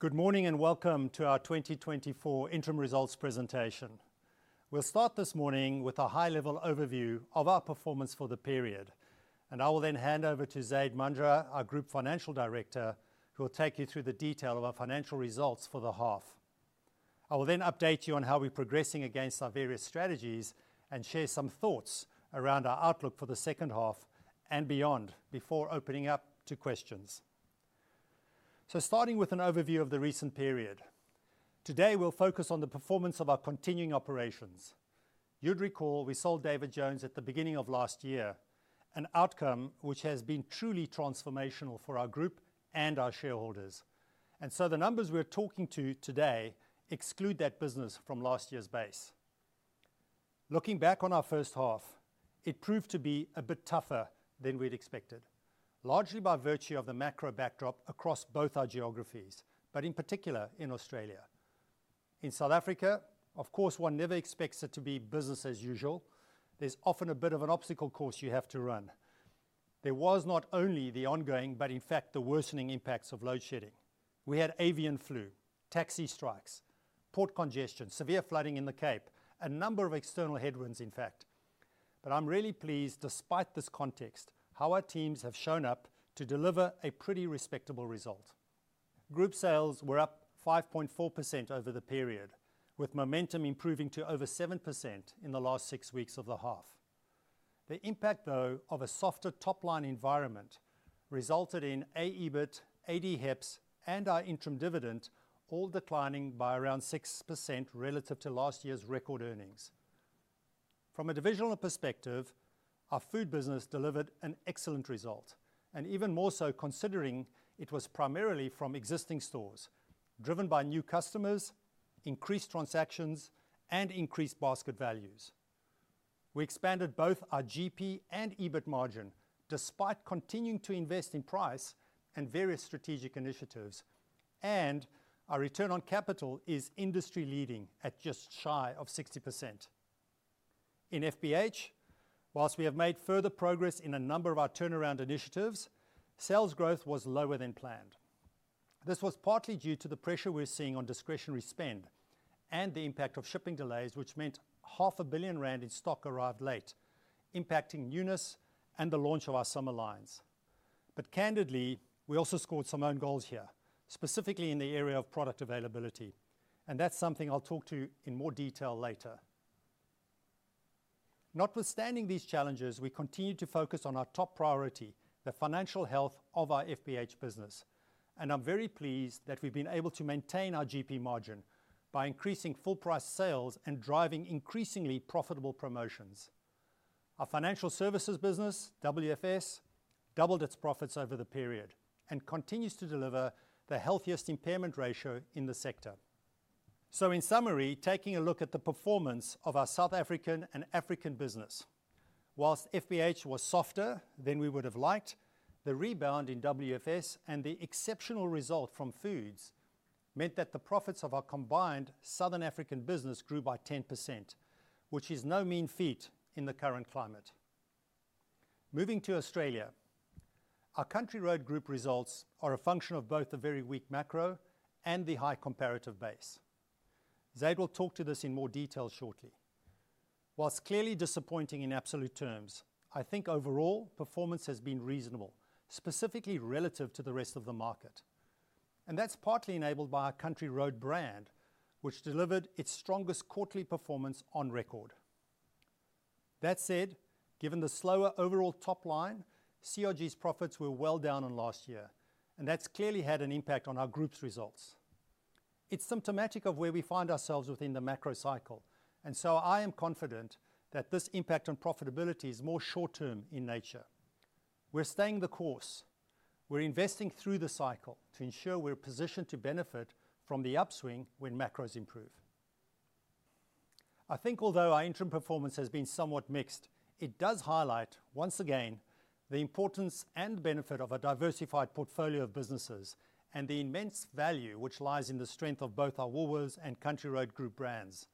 Good morning and welcome to our 2024 interim results presentation. We'll start this morning with a high-level overview of our performance for the period, and I will then hand over to Zaid Manjra, our Group Finance Director, who will take you through the detail of our financial results for the half. I will then update you on how we're progressing against our various strategies and share some thoughts around our outlook for the second half and beyond before opening up to questions. Starting with an overview of the recent period, today we'll focus on the performance of our continuing operations. You'd recall we sold David Jones at the beginning of last year, an outcome which has been truly transformational for our group and our shareholders, and so the numbers we're talking to today exclude that business from last year's base. Looking back on our first half, it proved to be a bit tougher than we'd expected, largely by virtue of the macro backdrop across both our geographies, but in particular in Australia. In South Africa, of course, one never expects it to be business as usual. There's often a bit of an obstacle course you have to run. There was not only the ongoing, but in fact the worsening impacts of load shedding. We had avian flu, taxi strikes, port congestion, severe flooding in the Cape, a number of external headwinds in fact. But I'm really pleased, despite this context, how our teams have shown up to deliver a pretty respectable result. Group sales were up 5.4% over the period, with momentum improving to over 7% in the last six weeks of the half. The impact though of a softer top-line environment resulted in aEBIT, adHEPS, and our interim dividend all declining by around 6% relative to last year's record earnings. From a divisional perspective, our food business delivered an excellent result, and even more so considering it was primarily from existing stores, driven by new customers, increased transactions, and increased basket values. We expanded both our GP and EBIT margin despite continuing to invest in price and various strategic initiatives, and our return on capital is industry-leading at just shy of 60%. In FBH, whilst we have made further progress in a number of our turnaround initiatives, sales growth was lower than planned. This was partly due to the pressure we're seeing on discretionary spend and the impact of shipping delays, which meant 500 million rand in stock arrived late, impacting Eunice and the launch of our summer lines. But candidly, we also scored some own goals here, specifically in the area of product availability, and that's something I'll talk to in more detail later. Notwithstanding these challenges, we continue to focus on our top priority, the financial health of our FBH business, and I'm very pleased that we've been able to maintain our GP margin by increasing full-price sales and driving increasingly profitable promotions. Our financial services business, WFS, doubled its profits over the period and continues to deliver the healthiest impairment ratio in the sector. In summary, taking a look at the performance of our South African and African business, whilst FBH was softer than we would have liked, the rebound in WFS and the exceptional result from foods meant that the profits of our combined Southern African business grew by 10%, which is no mean feat in the current climate. Moving to Australia, our Country Road Group results are a function of both the very weak macro and the high comparative base. Zaid will talk to this in more detail shortly. While clearly disappointing in absolute terms, I think overall performance has been reasonable, specifically relative to the rest of the market, and that's partly enabled by our Country Road brand, which delivered its strongest quarterly performance on record. That said, given the slower overall top line, CRG's profits were well down on last year, and that's clearly had an impact on our group's results. It's symptomatic of where we find ourselves within the macro cycle, and so I am confident that this impact on profitability is more short-term in nature. We're staying the course. We're investing through the cycle to ensure we're positioned to benefit from the upswing when macros improve. I think although our interim performance has been somewhat mixed, it does highlight once again the importance and benefit of a diversified portfolio of businesses and the immense value which lies in the strength of both our Woolworths and Country Road Group brands.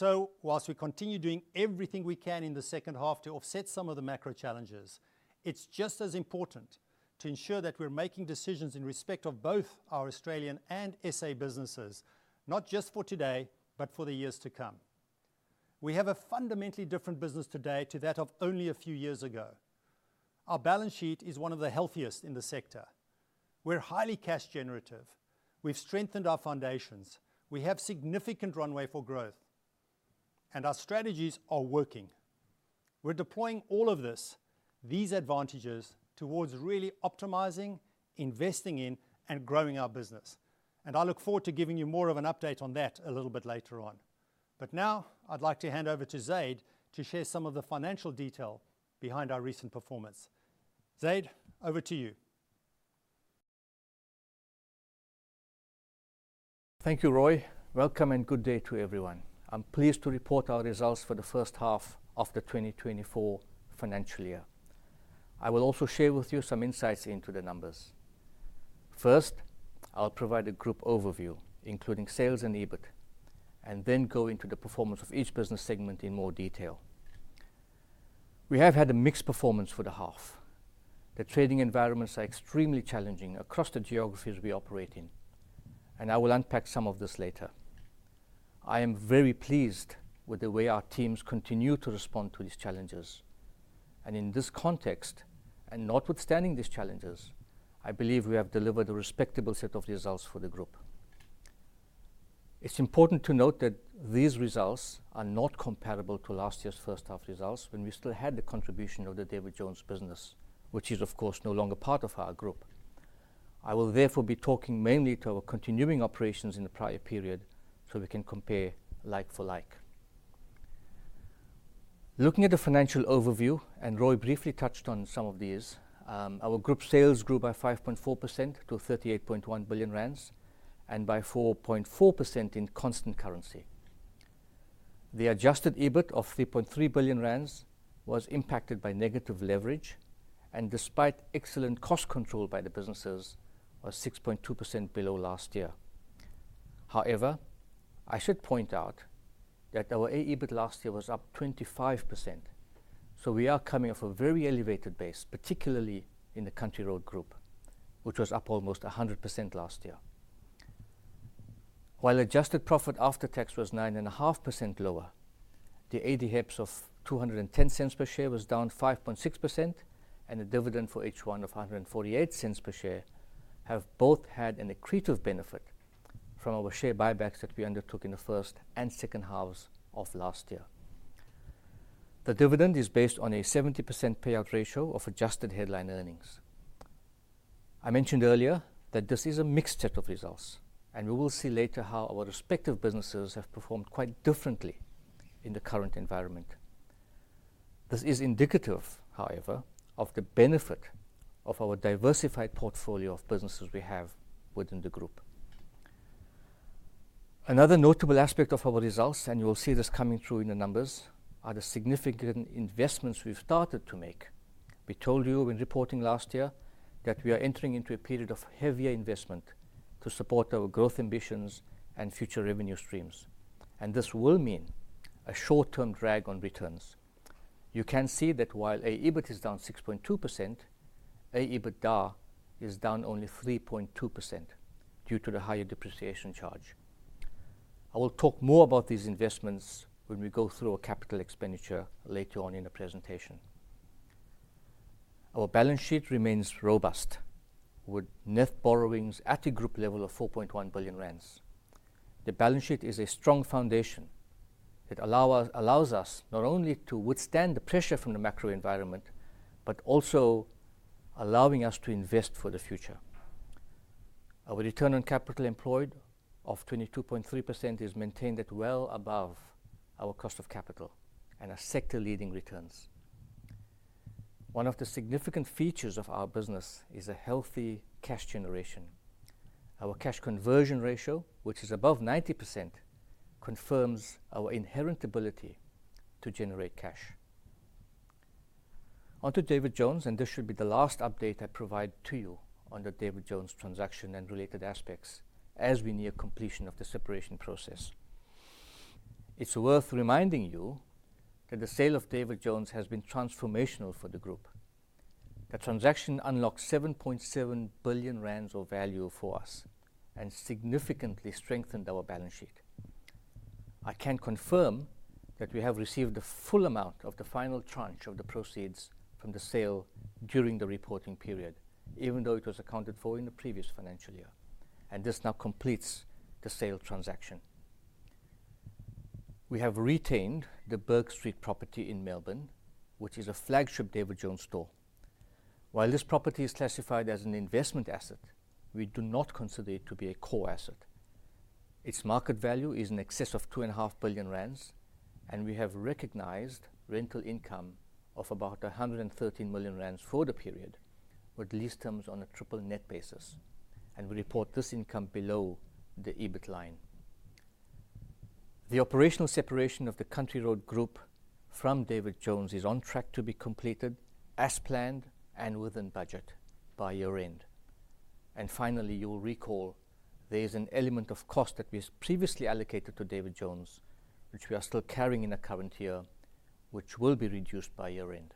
While we continue doing everything we can in the second half to offset some of the macro challenges, it's just as important to ensure that we're making decisions in respect of both our Australian and SA businesses, not just for today, but for the years to come. We have a fundamentally different business today to that of only a few years ago. Our balance sheet is one of the healthiest in the sector. We're highly cash-generative. We've strengthened our foundations. We have significant runway for growth, and our strategies are working. We're deploying all of this, these advantages, towards really optimizing, investing in, and growing our business, and I look forward to giving you more of an update on that a little bit later on. But now, I'd like to hand over to Zaid to share some of the financial detail behind our recent performance. Zaid, over to you. Thank you, Roy. Welcome and good day to everyone. I'm pleased to report our results for the first half of the 2024 financial year. I will also share with you some insights into the numbers. First, I'll provide a group overview, including sales and EBIT, and then go into the performance of each business segment in more detail. We have had a mixed performance for the half. The trading environments are extremely challenging across the geographies we operate in, and I will unpack some of this later. I am very pleased with the way our teams continue to respond to these challenges, and in this context, and notwithstanding these challenges, I believe we have delivered a respectable set of results for the group. It's important to note that these results are not comparable to last year's first half results when we still had the contribution of the David Jones business, which is, of course, no longer part of our group. I will therefore be talking mainly to our continuing operations in the prior period so we can compare like for like. Looking at the financial overview, and Roy briefly touched on some of these, our group sales grew by 5.4% to 38.1 billion rand and by 4.4% in constant currency. The adjusted EBIT of 3.3 billion rand was impacted by negative leverage, and despite excellent cost control by the businesses, was 6.2% below last year. However, I should point out that our aEBIT last year was up 25%, so we are coming off a very elevated base, particularly in the Country Road Group, which was up almost 100% last year. While adjusted profit after tax was 9.5% lower, the adHEPS of 2.10 per share was down 5.6%, and the dividend for H1 of 1.48 per share have both had an accretive benefit from our share buybacks that we undertook in the first and second halves of last year. The dividend is based on a 70% payout ratio of adjusted headline earnings. I mentioned earlier that this is a mixed set of results, and we will see later how our respective businesses have performed quite differently in the current environment. This is indicative, however, of the benefit of our diversified portfolio of businesses we have within the group. Another notable aspect of our results, and you will see this coming through in the numbers, are the significant investments we've started to make. We told you when reporting last year that we are entering into a period of heavier investment to support our growth ambitions and future revenue streams, and this will mean a short-term drag on returns. You can see that while aEBIT is down 6.2%, aEBITDA is down only 3.2% due to the higher depreciation charge. I will talk more about these investments when we go through our capital expenditure later on in the presentation. Our balance sheet remains robust, with net borrowings at a group level of 4.1 billion rand. The balance sheet is a strong foundation that allows us not only to withstand the pressure from the macro environment, but also allowing us to invest for the future. Our return on capital employed of 22.3% is maintained at well above our cost of capital and are sector-leading returns. One of the significant features of our business is a healthy cash generation. Our cash conversion ratio, which is above 90%, confirms our inherent ability to generate cash. Onto David Jones, and this should be the last update I provide to you on the David Jones transaction and related aspects as we near completion of the separation process. It's worth reminding you that the sale of David Jones has been transformational for the group. The transaction unlocked 7.7 billion rand of value for us and significantly strengthened our balance sheet. I can confirm that we have received the full amount of the final tranche of the proceeds from the sale during the reporting period, even though it was accounted for in the previous financial year, and this now completes the sale transaction. We have retained the Bourke Street property in Melbourne, which is a flagship David Jones store. While this property is classified as an investment asset, we do not consider it to be a core asset. Its market value is in excess of 2.5 billion rand, and we have recognized rental income of about 113 million rand for the period, with lease terms on a triple net basis, and we report this income below the EBIT line. The operational separation of the Country Road Group from David Jones is on track to be completed as planned and within budget by year-end. Finally, you'll recall there's an element of cost that we previously allocated to David Jones, which we are still carrying in the current year, which will be reduced by year-end.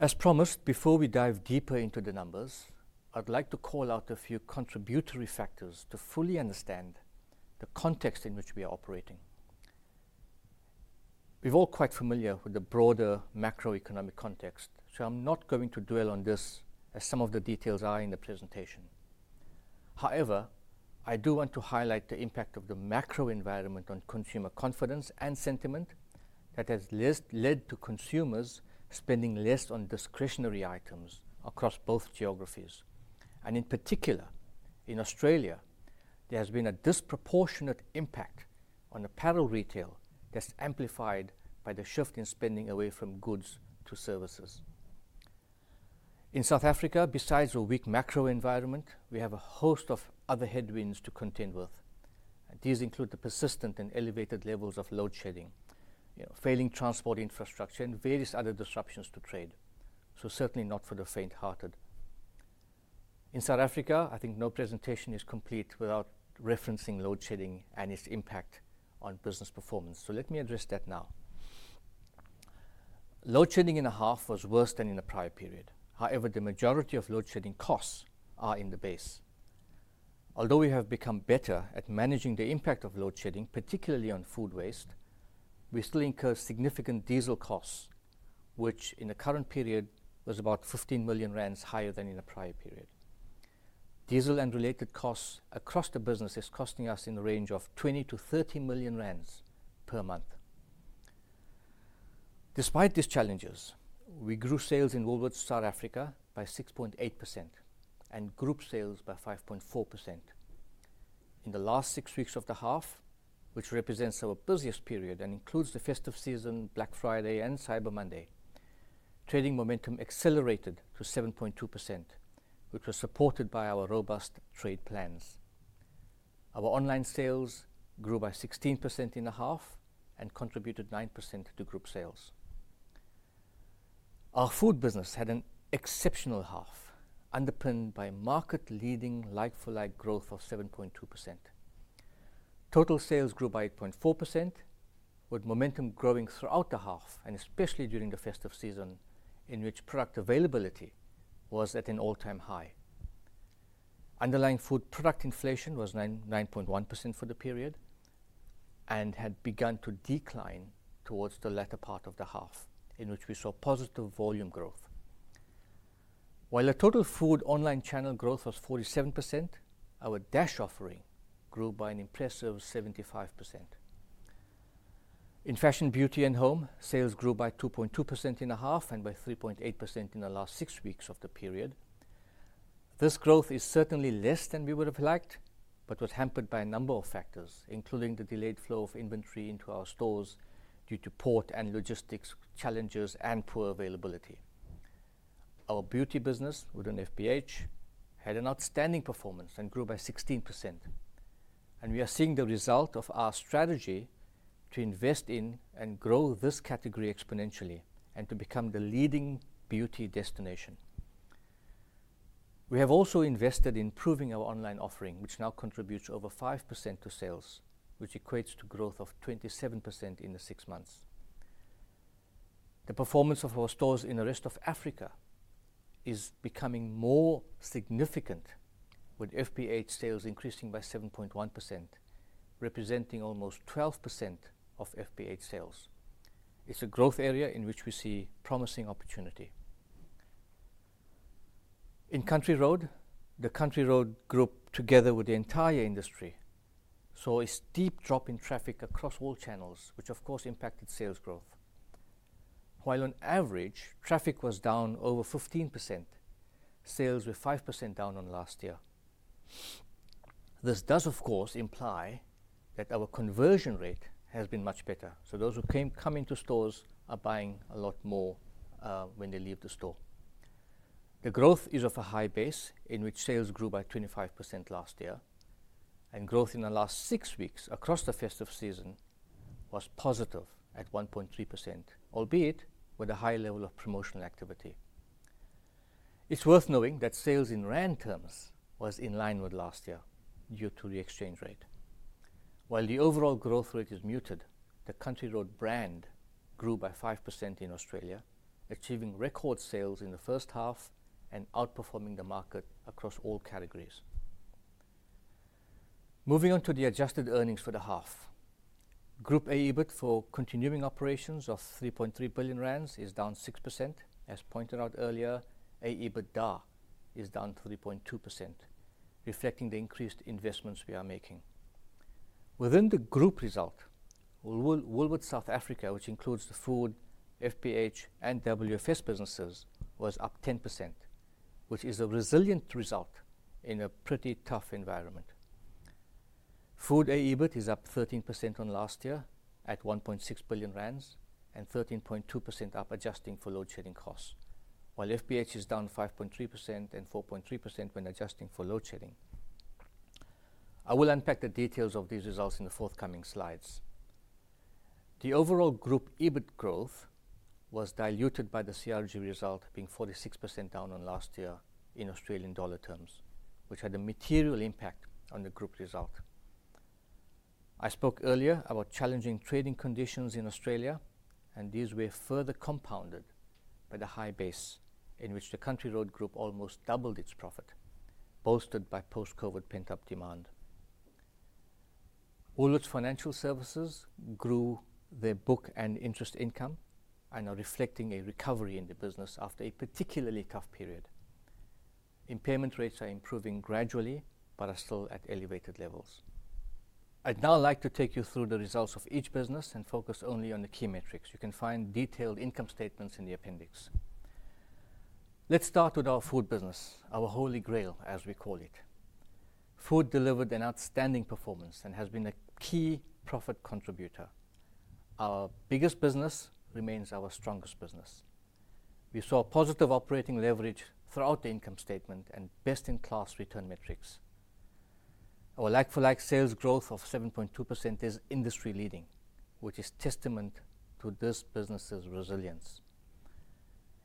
As promised, before we dive deeper into the numbers, I'd like to call out a few contributory factors to fully understand the context in which we are operating. We're all quite familiar with the broader macroeconomic context, so I'm not going to dwell on this as some of the details are in the presentation. However, I do want to highlight the impact of the macro environment on consumer confidence and sentiment that has led to consumers spending less on discretionary items across both geographies. In particular, in Australia, there has been a disproportionate impact on apparel retail that's amplified by the shift in spending away from goods to services. In South Africa, besides a weak macro environment, we have a host of other headwinds to contend with. These include the persistent and elevated levels of load shedding, failing transport infrastructure, and various other disruptions to trade, so certainly not for the faint-hearted. In South Africa, I think no presentation is complete without referencing load shedding and its impact on business performance, so let me address that now. Load shedding in the half was worse than in the prior period. However, the majority of load shedding costs are in the base. Although we have become better at managing the impact of load shedding, particularly on food waste, we still incur significant diesel costs, which in the current period was about 15 million rand higher than in the prior period. Diesel and related costs across the business are costing us in the range of 20 million-30 million rand per month. Despite these challenges, we grew sales in Woolworths South Africa by 6.8% and group sales by 5.4%. In the last six weeks of the half, which represents our busiest period and includes the festive season, Black Friday, and Cyber Monday, trading momentum accelerated to 7.2%, which was supported by our robust trade plans. Our online sales grew by 16% in the half and contributed 9% to group sales. Our food business had an exceptional half, underpinned by market-leading like-for-like growth of 7.2%. Total sales grew by 8.4%, with momentum growing throughout the half and especially during the festive season in which product availability was at an all-time high. Underlying food product inflation was 9.1% for the period and had begun to decline towards the latter part of the half, in which we saw positive volume growth. While the total food online channel growth was 47%, our Dash offering grew by an impressive 75%. In Fashion, Beauty, and Home, sales grew by 2.2% in the half and by 3.8% in the last six weeks of the period. This growth is certainly less than we would have liked, but was hampered by a number of factors, including the delayed flow of inventory into our stores due to port and logistics challenges and poor availability. Our beauty business with an FBH had an outstanding performance and grew by 16%, and we are seeing the result of our strategy to invest in and grow this category exponentially and to become the leading beauty destination. We have also invested in improving our online offering, which now contributes over 5% to sales, which equates to growth of 27% in the six months. The performance of our stores in the rest of Africa is becoming more significant, with FBH sales increasing by 7.1%, representing almost 12% of FBH sales. It's a growth area in which we see promising opportunity. In Country Road, the Country Road Group, together with the entire industry, saw a steep drop in traffic across all channels, which, of course, impacted sales growth. While on average, traffic was down over 15%, sales were 5% down on last year. This does, of course, imply that our conversion rate has been much better, so those who come into stores are buying a lot more when they leave the store. The growth is of a high base, in which sales grew by 25% last year, and growth in the last six weeks across the festive season was positive at 1.3%, albeit with a high level of promotional activity. It's worth knowing that sales in Rand terms were in line with last year due to the exchange rate. While the overall growth rate is muted, the Country Road brand grew by 5% in Australia, achieving record sales in the first half and outperforming the market across all categories. Moving on to the adjusted earnings for the half, group aEBIT for continuing operations of 3.3 billion rand is down 6%. As pointed out earlier, aEBITDA is down 3.2%, reflecting the increased investments we are making. Within the group result, Woolworths South Africa, which includes the food, FBH, and WFS businesses, was up 10%, which is a resilient result in a pretty tough environment. Food aEBIT is up 13% on last year at 1.6 billion rand and 13.2% up adjusting for load shedding costs, while FBH is down 5.3% and 4.3% when adjusting for load shedding. I will unpack the details of these results in the forthcoming slides. The overall group EBIT growth was diluted by the CRG result, being 46% down on last year in Australian dollar terms, which had a material impact on the group result. I spoke earlier about challenging trading conditions in Australia, and these were further compounded by the high base in which the Country Road Group almost doubled its profit, bolstered by post-COVID pent-up demand. Woolworths Financial Services grew their book and interest income and are reflecting a recovery in the business after a particularly tough period. Impairment rates are improving gradually, but are still at elevated levels. I'd now like to take you through the results of each business and focus only on the key metrics. You can find detailed income statements in the appendix. Let's start with our food business, our Holy Grail, as we call it. Food delivered an outstanding performance and has been a key profit contributor. Our biggest business remains our strongest business. We saw positive operating leverage throughout the income statement and best-in-class return metrics. Our like-for-like sales growth of 7.2% is industry-leading, which is testament to this business's resilience.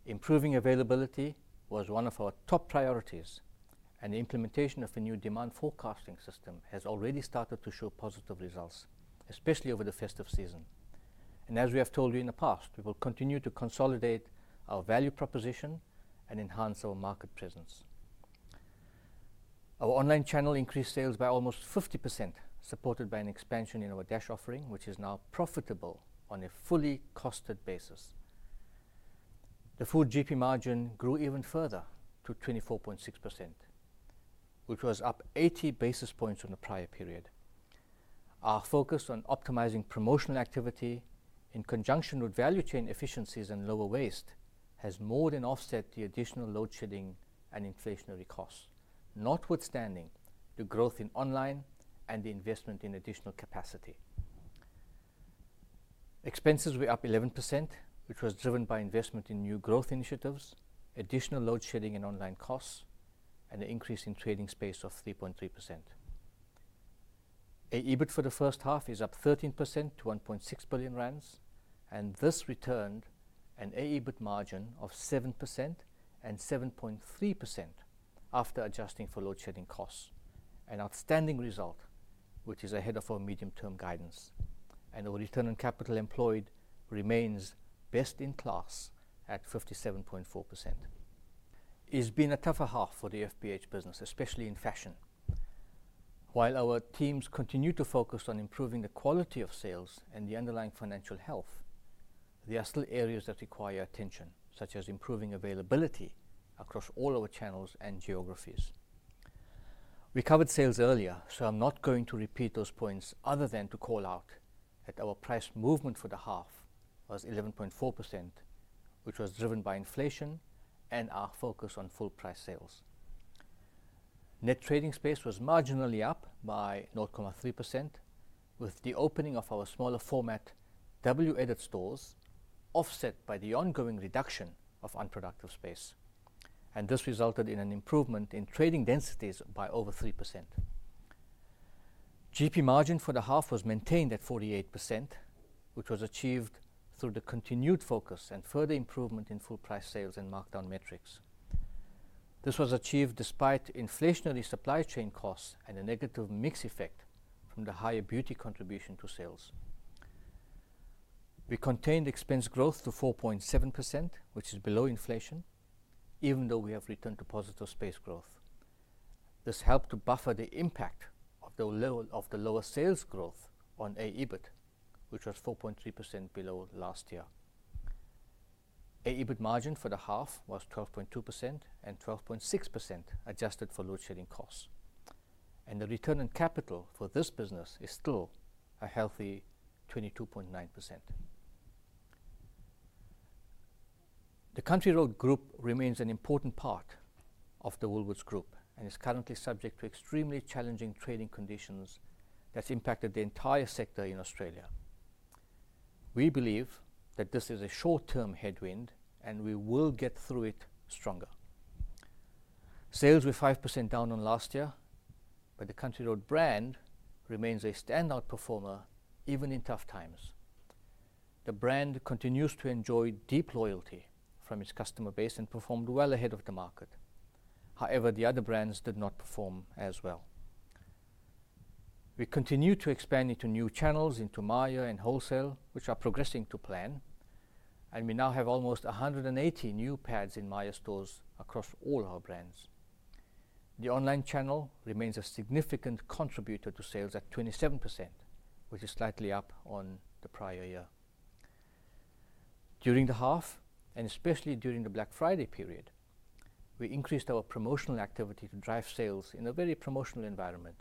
Improving availability was one of our top priorities, and the implementation of a new demand forecasting system has already started to show positive results, especially over the festive season. As we have told you in the past, we will continue to consolidate our value proposition and enhance our market presence. Our online channel increased sales by almost 50%, supported by an expansion in our Dash offering, which is now profitable on a fully costed basis. The food GP margin grew even further to 24.6%, which was up 80 basis points from the prior period. Our focus on optimizing promotional activity in conjunction with value chain efficiencies and lower waste has more than offset the additional load shedding and inflationary costs, notwithstanding the growth in online and the investment in additional capacity. Expenses were up 11%, which was driven by investment in new growth initiatives, additional load shedding and online costs, and an increase in trading space of 3.3%. aEBIT for the first half is up 13% to 1.6 billion rand, and this returned an aEBIT margin of 7% and 7.3% after adjusting for load shedding costs, an outstanding result which is ahead of our medium-term guidance. Our return on capital employed remains best-in-class at 57.4%. It's been a tougher half for the FBH business, especially in fashion. While our teams continue to focus on improving the quality of sales and the underlying financial health, there are still areas that require attention, such as improving availability across all our channels and geographies. We covered sales earlier, so I'm not going to repeat those points other than to call out that our price movement for the half was 11.4%, which was driven by inflation and our focus on full-price sales. Net trading space was marginally up by 0.3% with the opening of our smaller format WEdit stores, offset by the ongoing reduction of unproductive space, and this resulted in an improvement in trading densities by over 3%. GP margin for the half was maintained at 48%, which was achieved through the continued focus and further improvement in full-price sales and markdown metrics. This was achieved despite inflationary supply chain costs and a negative mix effect from the higher beauty contribution to sales. We contained expense growth to 4.7%, which is below inflation, even though we have returned to positive space growth. This helped to buffer the impact of the lower sales growth on aEBIT, which was 4.3% below last year. aEBIT margin for the half was 12.2% and 12.6% adjusted for load shedding costs, and the return on capital for this business is still a healthy 22.9%. The Country Road Group remains an important part of the Woolworths Group and is currently subject to extremely challenging trading conditions that have impacted the entire sector in Australia. We believe that this is a short-term headwind, and we will get through it stronger. Sales were 5% down on last year, but the Country Road brand remains a standout performer even in tough times. The brand continues to enjoy deep loyalty from its customer base and performed well ahead of the market. However, the other brands did not perform as well. We continue to expand into new channels, into Myer and wholesale, which are progressing to plan, and we now have almost 180 new pads in Myer stores across all our brands. The online channel remains a significant contributor to sales at 27%, which is slightly up on the prior year. During the half, and especially during the Black Friday period, we increased our promotional activity to drive sales in a very promotional environment.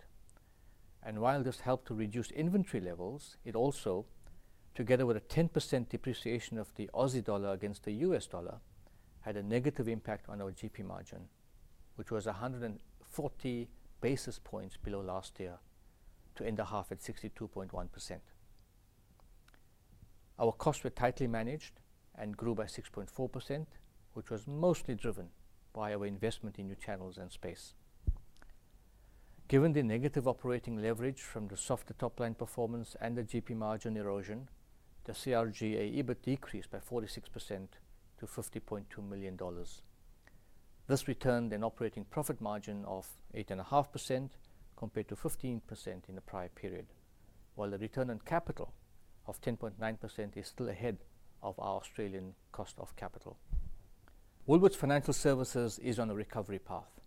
While this helped to reduce inventory levels, it also, together with a 10% depreciation of the Aussie dollar against the U.S. dollar, had a negative impact on our GP margin, which was 140 basis points below last year to end the half at 62.1%. Our costs were tightly managed and grew by 6.4%, which was mostly driven by our investment in new channels and space. Given the negative operating leverage from the softer top-line performance and the GP margin erosion, the CRG aEBIT decreased by 46% to 50.2 million dollars. This returned an operating profit margin of 8.5% compared to 15% in the prior period, while the return on capital of 10.9% is still ahead of our Australian cost of capital. Woolworths Financial Services is on a recovery path.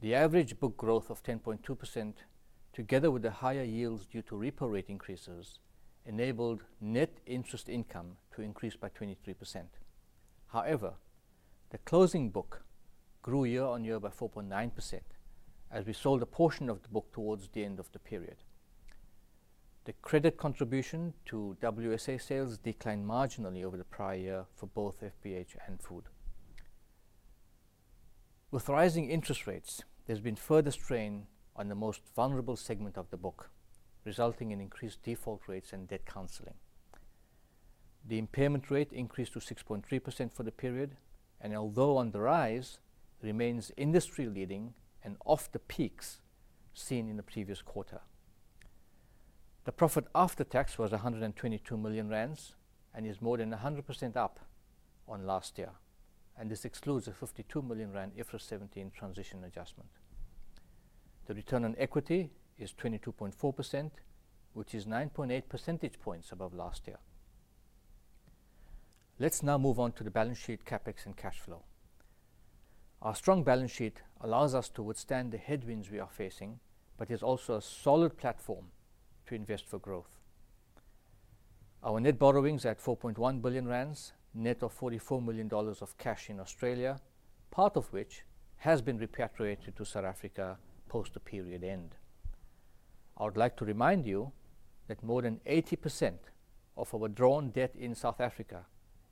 The average book growth of 10.2%, together with the higher yields due to repo rate increases, enabled net interest income to increase by 23%. However, the closing book grew year-on-year by 4.9% as we sold a portion of the book towards the end of the period. The credit contribution to WSA sales declined marginally over the prior year for both FBH and food. With rising interest rates, there's been further strain on the most vulnerable segment of the book, resulting in increased default rates and debt counseling. The impairment rate increased to 6.3% for the period, and although on the rise, remains industry-leading and off the peaks seen in the previous quarter. The profit after tax was 122 million rand and is more than 100% up on last year, and this excludes a 52 million rand IFRS 17 transition adjustment. The return on equity is 22.4%, which is 9.8 percentage points above last year. Let's now move on to the balance sheet, CapEx, and cash flow. Our strong balance sheet allows us to withstand the headwinds we are facing, but is also a solid platform to invest for growth. Our net borrowings are at 4.1 billion rand, net of $44 million of cash in Australia, part of which has been repatriated to South Africa post the period end. I would like to remind you that more than 80% of our drawn debt in South Africa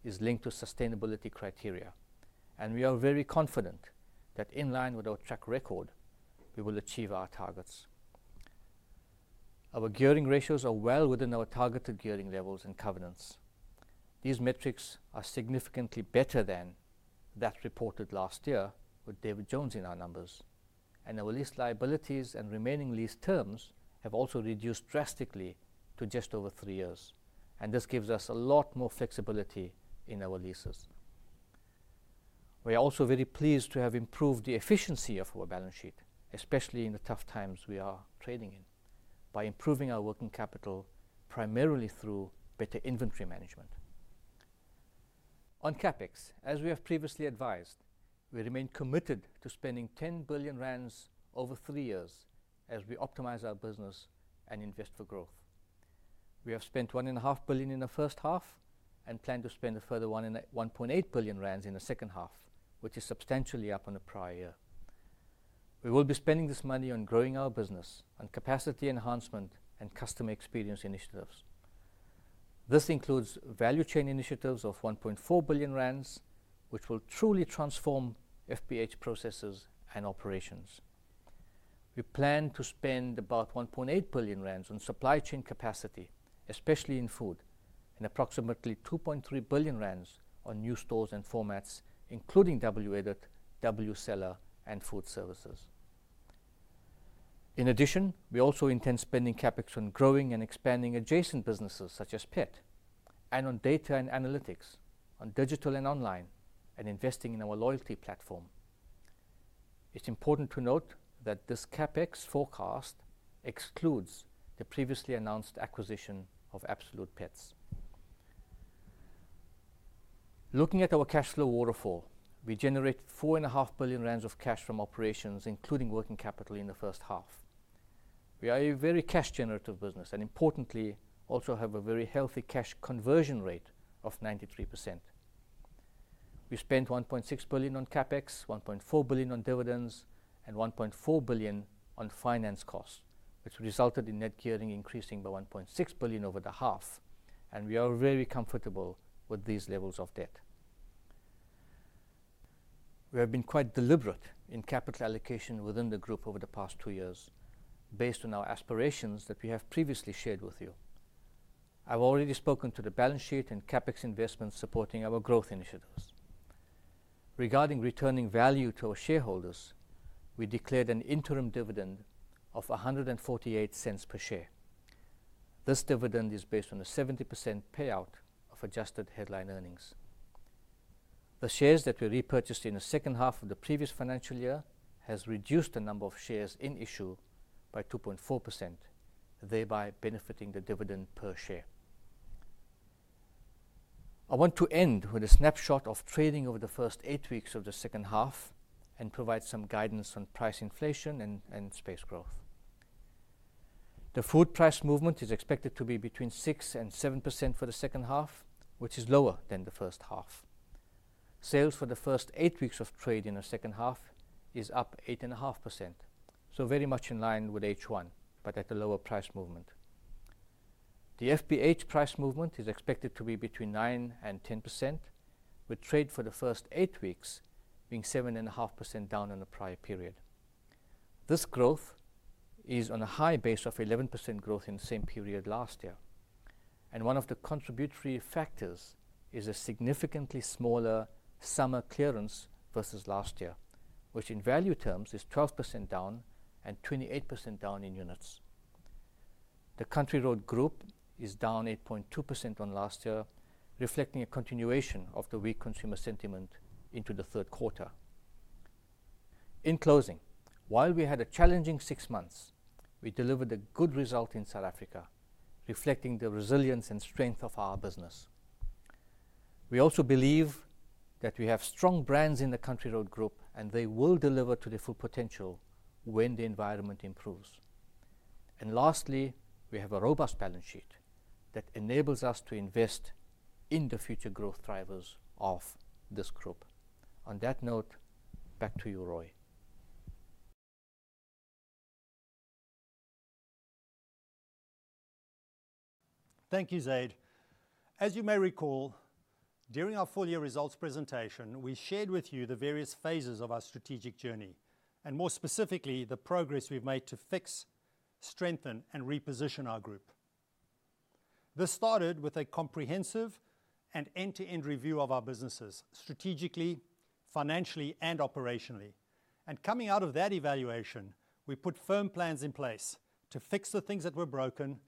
is linked to sustainability criteria, and we are very confident that in line with our track record, we will achieve our targets. Our gearing ratios are well within our targeted gearing levels and covenants. These metrics are significantly better than that reported last year with David Jones in our numbers, and our lease liabilities and remaining lease terms have also reduced drastically to just over three years, and this gives us a lot more flexibility in our leases. We are also very pleased to have improved the efficiency of our balance sheet, especially in the tough times we are trading in, by improving our working capital primarily through better inventory management. On CapEx, as we have previously advised, we remain committed to spending 10 billion rand over three years as we optimize our business and invest for growth. We have spent 1.5 billion in the first half and plan to spend a further 1.8 billion rand in the second half, which is substantially up on the prior year. We will be spending this money on growing our business, on capacity enhancement, and customer experience initiatives. This includes value chain initiatives of 1.4 billion rand, which will truly transform FBH processes and operations. We plan to spend about 1.8 billion rand on supply chain capacity, especially in food, and approximately 2.3 billion rand on new stores and formats, including WEdit, WCellar, and food services. In addition, we also intend spending CapEx on growing and expanding adjacent businesses such as pet, and on data and analytics, on digital and online, and investing in our loyalty platform. It's important to note that this CapEx forecast excludes the previously announced acquisition of Absolute Pets. Looking at our cash flow waterfall, we generate 4.5 billion rand of cash from operations, including working capital in the first half. We are a very cash-generative business and, importantly, also have a very healthy cash conversion rate of 93%. We spent 1.6 billion on CapEx, 1.4 billion on dividends, and 1.4 billion on finance costs, which resulted in net gearing increasing by 1.6 billion over the half, and we are very comfortable with these levels of debt. We have been quite deliberate in capital allocation within the group over the past two years based on our aspirations that we have previously shared with you. I've already spoken to the balance sheet and CapEx investments supporting our growth initiatives. Regarding returning value to our shareholders, we declared an interim dividend of 0.148 per share. This dividend is based on a 70% payout of adjusted headline earnings. The shares that were repurchased in the second half of the previous financial year have reduced the number of shares in issue by 2.4%, thereby benefiting the dividend per share. I want to end with a snapshot of trading over the first eight weeks of the second half and provide some guidance on price inflation and space growth. The food price movement is expected to be between 6% and 7% for the second half, which is lower than the first half. Sales for the first eight weeks of trade in the second half are up 8.5%, so very much in line with H1, but at a lower price movement. The FBH price movement is expected to be between 9% and 10%, with trade for the first eight weeks being 7.5% down on the prior period. This growth is on a high base of 11% growth in the same period last year, and one of the contributory factors is a significantly smaller summer clearance versus last year, which in value terms is 12% down and 28% down in units. The Country Road Group is down 8.2% on last year, reflecting a continuation of the weak consumer sentiment into the third quarter. In closing, while we had a challenging six months, we delivered a good result in South Africa, reflecting the resilience and strength of our business. We also believe that we have strong brands in the Country Road Group, and they will deliver to their full potential when the environment improves. Lastly, we have a robust balance sheet that enables us to invest in the future growth drivers of this group. On that note, back to you, Roy. Thank you, Zaid. As you may recall, during our full-year results presentation, we shared with you the various phases of our strategic journey, and more specifically, the progress we've made to fix, strengthen, and reposition our group. This started with a comprehensive and end-to-end review of our businesses, strategically, financially, and operationally. Coming out of that evaluation, we put firm plans in place to fix the things that were broken,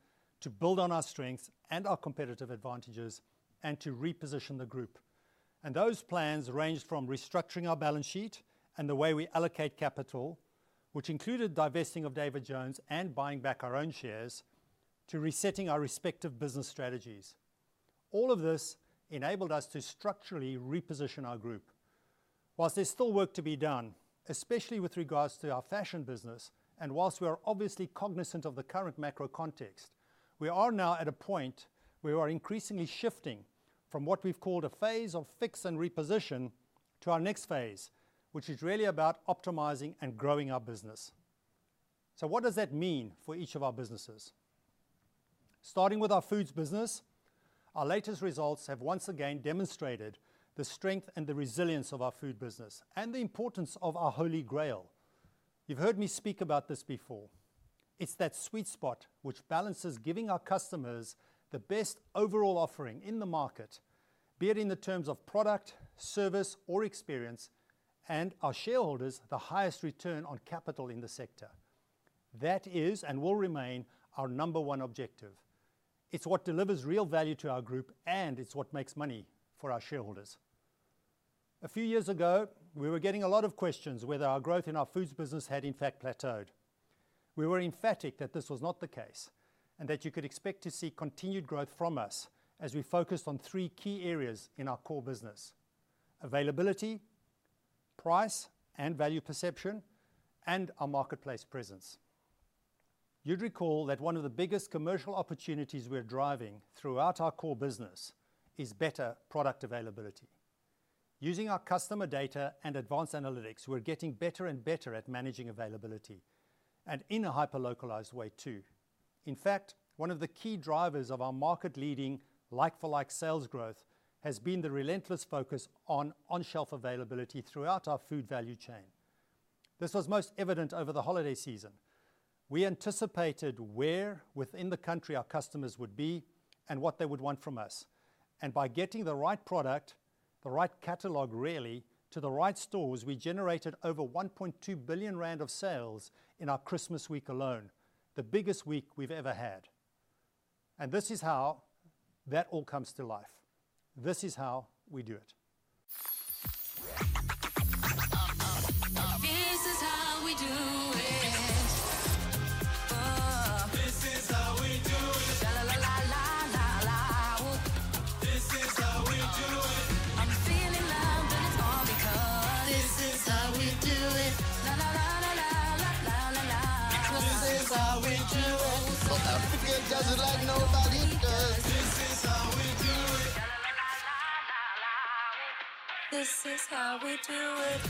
to build on our strengths and our competitive advantages, and to reposition the group. Those plans ranged from restructuring our balance sheet and the way we allocate capital, which included divesting of David Jones and buying back our own shares, to resetting our respective business strategies. All of this enabled us to structurally reposition our group. While there's still work to be done, especially with regards to our fashion business, and whilst we are obviously cognizant of the current macro context, we are now at a point where we are increasingly shifting from what we've called a phase of fix and reposition to our next phase, which is really about optimizing and growing our business. What does that mean for each of our businesses? Starting with our foods business, our latest results have once again demonstrated the strength and the resilience of our food business and the importance of our Holy Grail. You've heard me speak about this before. It's that sweet spot which balances giving our customers the best overall offering in the market, be it in the terms of product, service, or experience, and our shareholders the highest return on capital in the sector. That is and will remain our number one objective. It's what delivers real value to our group, and it's what makes money for our shareholders. A few years ago, we were getting a lot of questions whether our growth in our foods business had in fact plateaued. We were emphatic that this was not the case and that you could expect to see continued growth from us as we focused on three key areas in our core business: availability, price and value perception, and our marketplace presence. You'd recall that one of the biggest commercial opportunities we're driving throughout our core business is better product availability. Using our customer data and advanced analytics, we're getting better and better at managing availability and in a hyper-localized way too. In fact, one of the key drivers of our market-leading like-for-like sales growth has been the relentless focus on on-shelf availability throughout our food value chain. This was most evident over the holiday season. We anticipated where within the country our customers would be and what they would want from us, and by getting the right product, the right catalog really, to the right stores, we generated over 1.2 billion rand of sales in our Christmas week alone, the biggest week we've ever had. This is how that all comes to life. This is how we do it.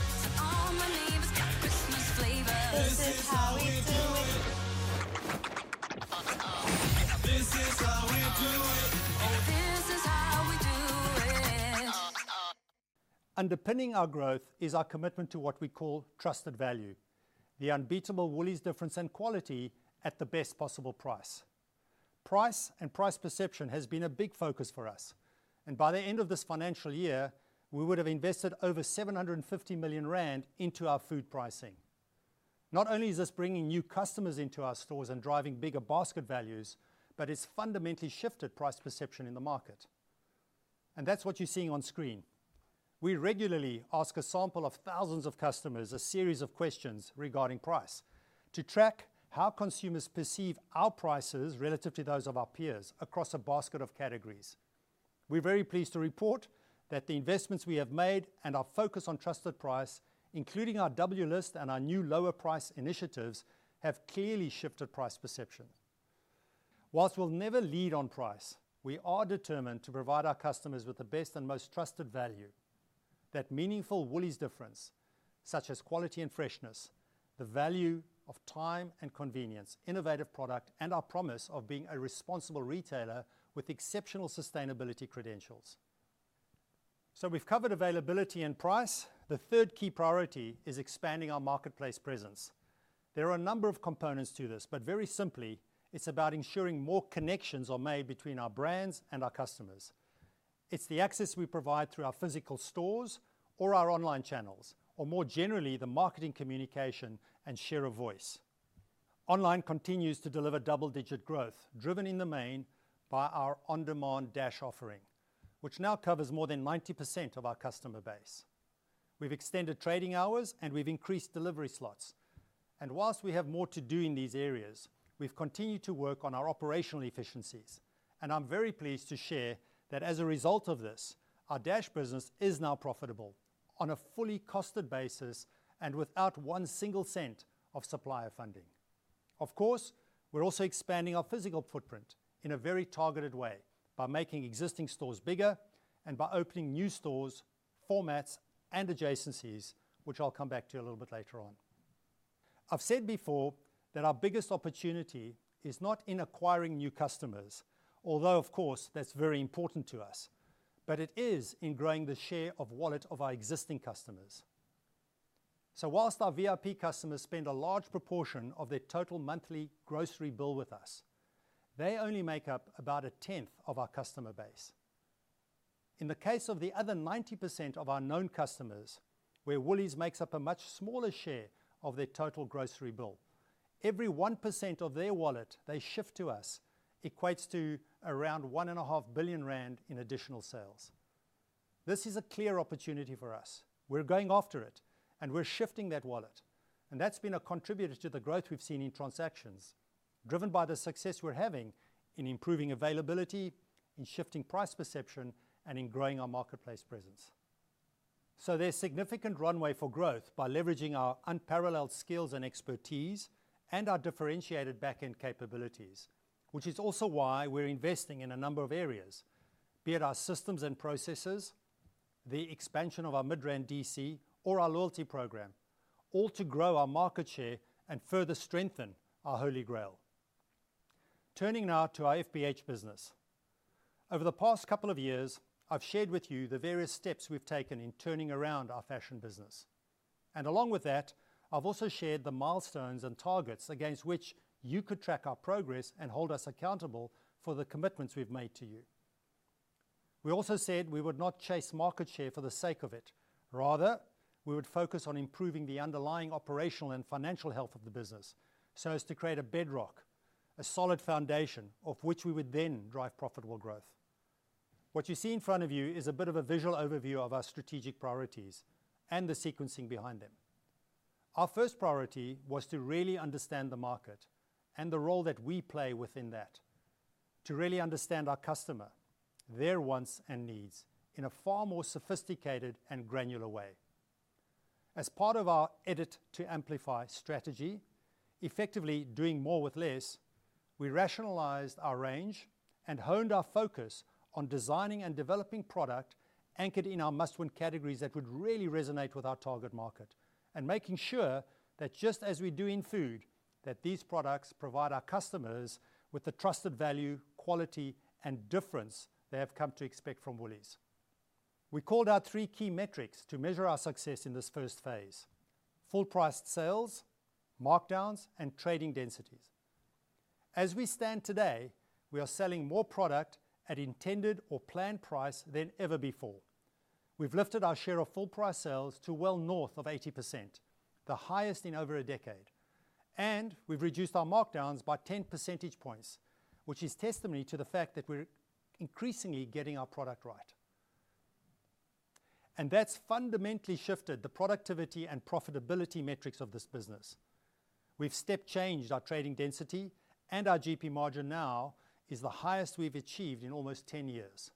Underpinning our growth is our commitment to what we call trusted value, the unbeatable Woolworths' Difference and quality at the best possible price. Price and price perception have been a big focus for us, and by the end of this financial year, we would have invested over 750 million rand into our food pricing. Not only is this bringing new customers into our stores and driving bigger basket values, but it's fundamentally shifted price perception in the market. That's what you're seeing on screen. We regularly ask a sample of thousands of customers a series of questions regarding price to track how consumers perceive our prices relative to those of our peers across a basket of categories. We're very pleased to report that the investments we have made and our focus on trusted price, including our WList and our new lower price initiatives, have clearly shifted price perception. While we'll never lead on price, we are determined to provide our customers with the best and most trusted value, that meaningful Woolworths' Difference such as quality and freshness, the value of time and convenience, innovative product, and our promise of being a responsible retailer with exceptional sustainability credentials. We've covered availability and price. The third key priority is expanding our marketplace presence. There are a number of components to this, but very simply, it's about ensuring more connections are made between our brands and our customers. It's the access we provide through our physical stores or our online channels, or more generally, the marketing communication and share of voice. Online continues to deliver double-digit growth driven in the main by our on-demand Dash offering, which now covers more than 90% of our customer base. We've extended trading hours, and we've increased delivery slots. While we have more to do in these areas, we've continued to work on our operational efficiencies, and I'm very pleased to share that as a result of this, our Dash business is now profitable on a fully costed basis and without one single cent of supplier funding. Of course, we're also expanding our physical footprint in a very targeted way by making existing stores bigger and by opening new stores, formats, and adjacencies, which I'll come back to a little bit later on. I've said before that our biggest opportunity is not in acquiring new customers, although of course that's very important to us, but it is in growing the share of wallet of our existing customers. While our VIP customers spend a large proportion of their total monthly grocery bill with us, they only make up about a tenth of our customer base. In the case of the other 90% of our known customers, where Woolworths makes up a much smaller share of their total grocery bill, every 1% of their wallet they shift to us equates to around 1.5 billion rand in additional sales. This is a clear opportunity for us. We're going after it, and we're shifting that wallet, and that's been a contributor to the growth we've seen in transactions driven by the success we're having in improving availability, in shifting price perception, and in growing our marketplace presence. There's significant runway for growth by leveraging our unparalleled skills and expertise and our differentiated backend capabilities, which is also why we're investing in a number of areas, be it our systems and processes, the expansion of our Midrand DC, or our loyalty program, all to grow our market share and further strengthen our Holy Grail. Turning now to our FBH business. Over the past couple of years, I've shared with you the various steps we've taken in turning around our fashion business, and along with that, I've also shared the milestones and targets against which you could track our progress and hold us accountable for the commitments we've made to you. We also said we would not chase market share for the sake of it. Rather, we would focus on improving the underlying operational and financial health of the business so as to create a bedrock, a solid foundation off which we would then drive profitable growth. What you see in front of you is a bit of a visual overview of our strategic priorities and the sequencing behind them. Our first priority was to really understand the market and the role that we play within that, to really understand our customer, their wants and needs in a far more sophisticated and granular way. As part of our edit-to-amplify strategy, effectively doing more with less, we rationalized our range and honed our focus on designing and developing product anchored in our must-win categories that would really resonate with our target market, and making sure that just as we do in food, that these products provide our customers with the trusted value, quality, and difference they have come to expect from Woolworths. We called out three key metrics to measure our success in this first phase: full-priced sales, markdowns, and trading densities. As we stand today, we are selling more product at intended or planned price than ever before. We've lifted our share of full-priced sales to well north of 80%, the highest in over a decade, and we've reduced our markdowns by 10 percentage points, which is testimony to the fact that we're increasingly getting our product right. That's fundamentally shifted the productivity and profitability metrics of this business. We've step-changed our trading density, and our GP margin now is the highest we've achieved in almost 10 years.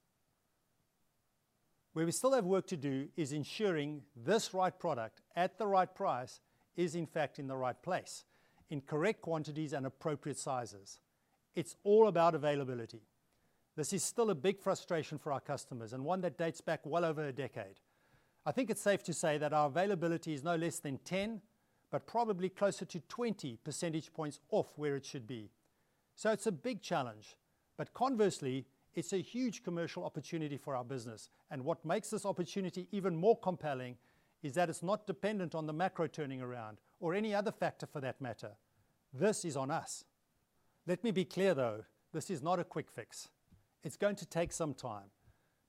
Where we still have work to do is ensuring this right product at the right price is in fact in the right place, in correct quantities and appropriate sizes. It's all about availability. This is still a big frustration for our customers and one that dates back well over a decade. I think it's safe to say that our availability is no less than 10, but probably closer to 20 percentage points off where it should be. It's a big challenge, but conversely, it's a huge commercial opportunity for our business, and what makes this opportunity even more compelling is that it's not dependent on the macro turning around or any other factor for that matter. This is on us. Let me be clear though, this is not a quick fix. It's going to take some time,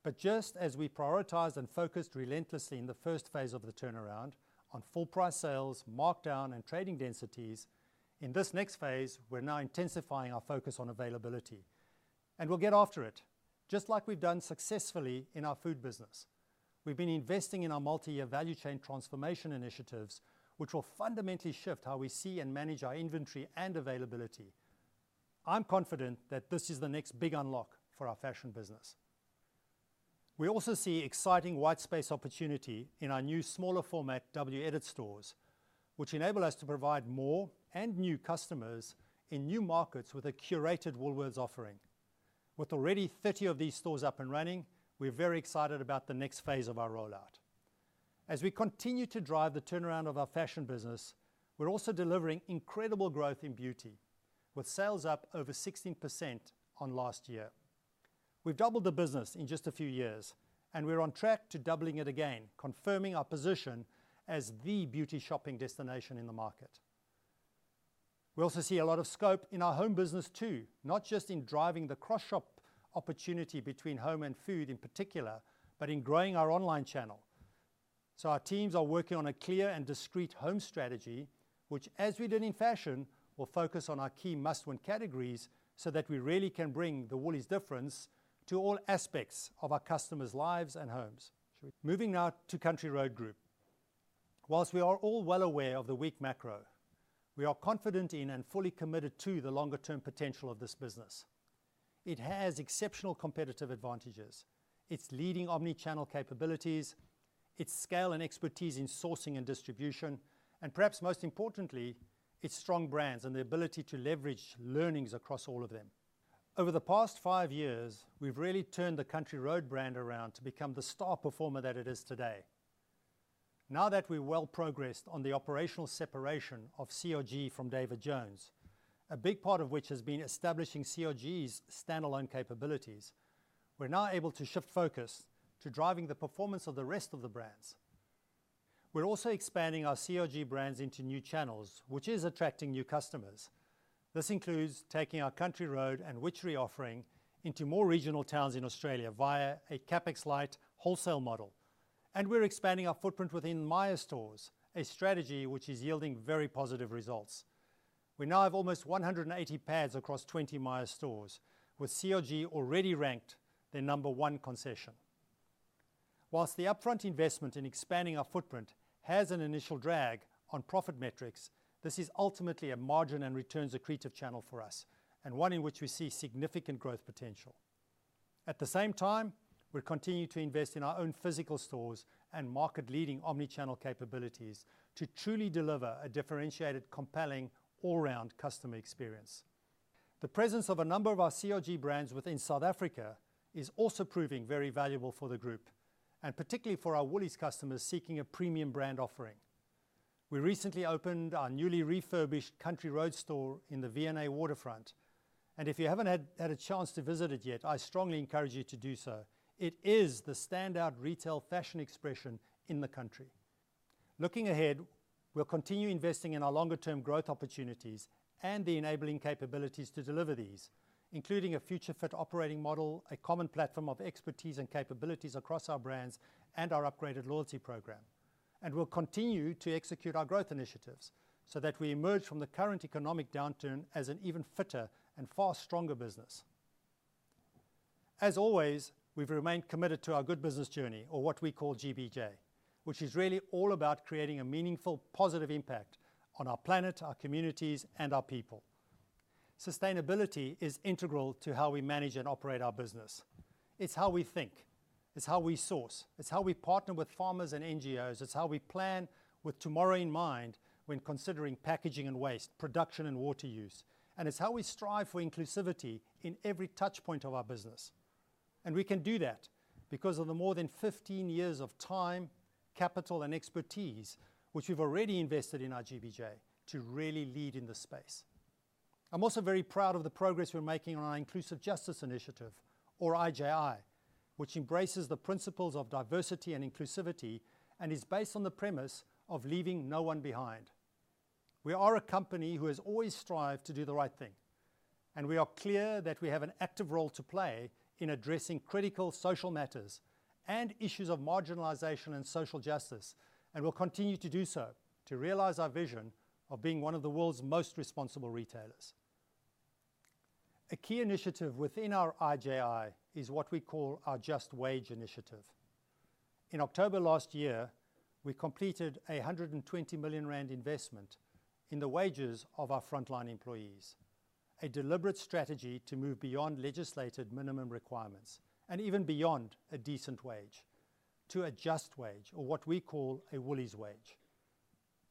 but just as we prioritized and focused relentlessly in the first phase of the turnaround on full-price sales, markdown, and trading densities, in this next phase, we're now intensifying our focus on availability, and we'll get after it just like we've done successfully in our food business. We've been investing in our multi-year value chain transformation initiatives, which will fundamentally shift how we see and manage our inventory and availability. I'm confident that this is the next big unlock for our fashion business. We also see exciting white space opportunity in our new smaller format WEdit stores, which enable us to provide more and new customers in new markets with a curated Woolworths offering. With already 30 of these stores up and running, we're very excited about the next phase of our rollout. As we continue to drive the turnaround of our fashion business, we're also delivering incredible growth in beauty with sales up over 16% on last year. We've doubled the business in just a few years, and we're on track to doubling it again, confirming our position as the beauty shopping destination in the market. We also see a lot of scope in our home business too, not just in driving the cross-shop opportunity between home and food in particular, but in growing our online channel. Our teams are working on a clear and discrete home strategy, which as we did in fashion, will focus on our key must-win categories so that we really can bring the Woolies' difference to all aspects of our customers' lives and homes. Moving now to Country Road Group. While we are all well aware of the weak macro, we are confident in and fully committed to the longer-term potential of this business. It has exceptional competitive advantages, its leading omnichannel capabilities, its scale and expertise in sourcing and distribution, and perhaps most importantly, its strong brands and the ability to leverage learnings across all of them. Over the past five years, we've really turned the Country Road brand around to become the star performer that it is today. Now that we've well progressed on the operational separation of CRG from David Jones, a big part of which has been establishing CRG's standalone capabilities, we're now able to shift focus to driving the performance of the rest of the brands. We're also expanding our CRG brands into new channels, which is attracting new customers. This includes taking our Country Road and Witchery offering into more regional towns in Australia via a CapEx light wholesale model, and we're expanding our footprint within Myer stores, a strategy which is yielding very positive results. We now have almost 180 pads across 20 Myer stores with CRG already ranked their number one concession. While the upfront investment in expanding our footprint has an initial drag on profit metrics, this is ultimately a margin and returns accretive channel for us and one in which we see significant growth potential. At the same time, we'll continue to invest in our own physical stores and market-leading omnichannel capabilities to truly deliver a differentiated, compelling, all-around customer experience. The presence of a number of our CRG brands within South Africa is also proving very valuable for the group, and particularly for our Woolies' customers seeking a premium brand offering. We recently opened our newly refurbished Country Road store in the V&A Waterfront, and if you haven't had a chance to visit it yet, I strongly encourage you to do so. It is the standout retail fashion expression in the country. Looking ahead, we'll continue investing in our longer-term growth opportunities and the enabling capabilities to deliver these, including a future-fit operating model, a common platform of expertise and capabilities across our brands, and our upgraded loyalty program. We'll continue to execute our growth initiatives so that we emerge from the current economic downturn as an even fitter and far stronger business. As always, we've remained committed to our Good Business Journey, or what we call GBJ, which is really all about creating a meaningful, positive impact on our planet, our communities, and our people. Sustainability is integral to how we manage and operate our business. It's how we think, it's how we source, it's how we partner with farmers and NGOs, it's how we plan with tomorrow in mind when considering packaging and waste, production and water use, and it's how we strive for inclusivity in every touchpoint of our business. We can do that because of the more than 15 years of time, capital, and expertise which we've already invested in our GBJ to really lead in this space. I'm also very proud of the progress we're making on our Inclusive Justice Initiative, or IJI, which embraces the principles of diversity and inclusivity and is based on the premise of leaving no one behind. We are a company who has always strived to do the right thing, and we are clear that we have an active role to play in addressing critical social matters and issues of marginalization and social justice, and we'll continue to do so to realize our vision of being one of the world's most responsible retailers. A key initiative within our IJI is what we call our Just Wage Initiative. In October last year, we completed a 120 million rand investment in the wages of our frontline employees, a deliberate strategy to move beyond legislated minimum requirements and even beyond a decent wage to a Just Wage, or what we call a Woolies Wage.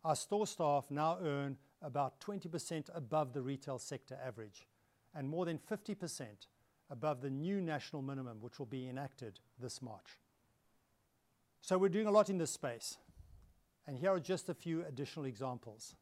Our store staff now earn about 20% above the retail sector average and more than 50% above the new national minimum which will be enacted this March. We're doing a lot in this space, and here are just a few additional examples.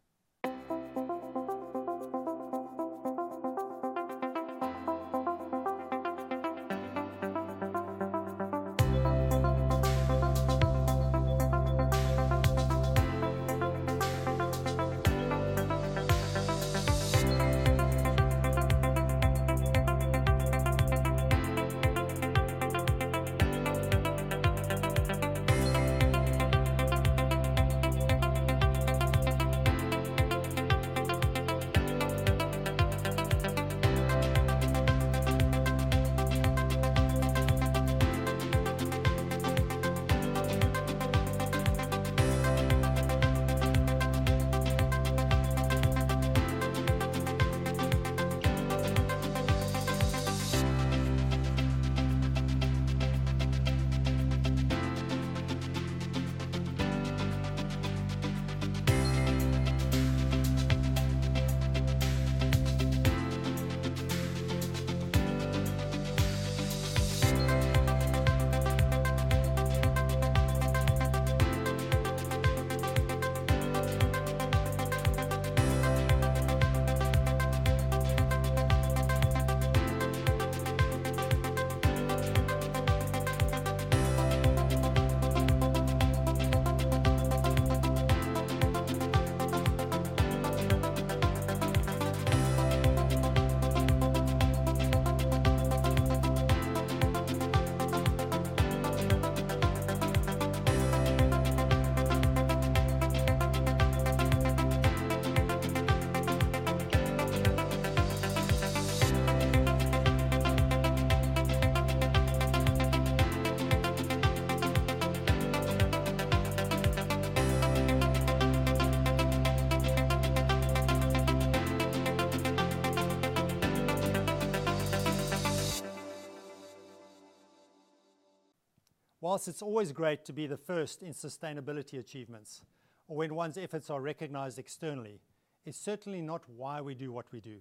While it's always great to be the first in sustainability achievements, or when one's efforts are recognized externally, it's certainly not why we do what we do.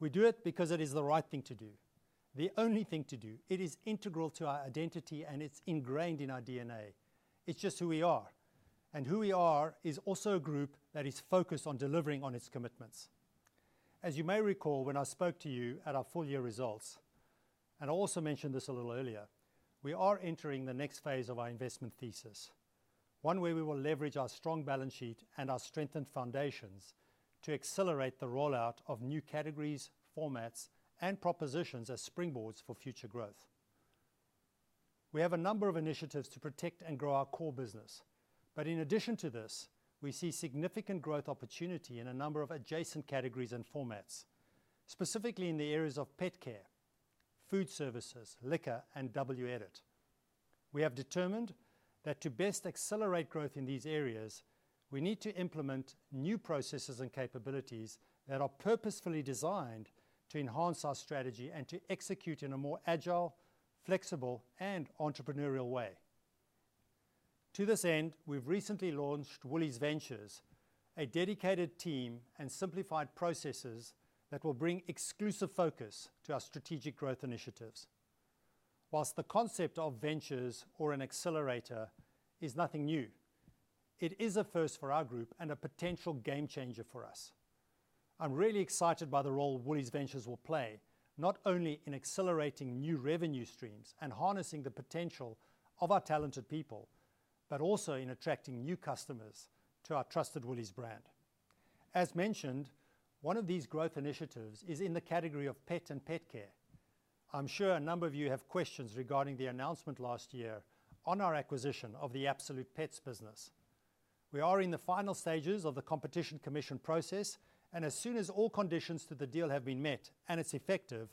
We do it because it is the right thing to do, the only thing to do. It is integral to our identity and it's ingrained in our DNA. It's just who we are, and who we are is also a group that is focused on delivering on its commitments. As you may recall when I spoke to you at our full-year results, and I also mentioned this a little earlier, we are entering the next phase of our investment thesis, one where we will leverage our strong balance sheet and our strengthened foundations to accelerate the rollout of new categories, formats, and propositions as springboards for future growth. We have a number of initiatives to protect and grow our core business, but in addition to this, we see significant growth opportunity in a number of adjacent categories and formats, specifically in the areas of pet care, food services, liquor, and WEdit. We have determined that to best accelerate growth in these areas, we need to implement new processes and capabilities that are purposefully designed to enhance our strategy and to execute in a more agile, flexible, and entrepreneurial way. To this end, we've recently launched Woolworths Ventures, a dedicated team and simplified processes that will bring exclusive focus to our strategic growth initiatives. While the concept of ventures, or an accelerator, is nothing new, it is a first for our group and a potential game changer for us. I'm really excited by the role Woolworths Ventures will play, not only in accelerating new revenue streams and harnessing the potential of our talented people, but also in attracting new customers to our trusted Woolworths brand. As mentioned, one of these growth initiatives is in the category of pet and pet care. I'm sure a number of you have questions regarding the announcement last year on our acquisition of the Absolute Pets business. We are in the final stages of the Competition Commission process, and as soon as all conditions to the deal have been met and it's effective,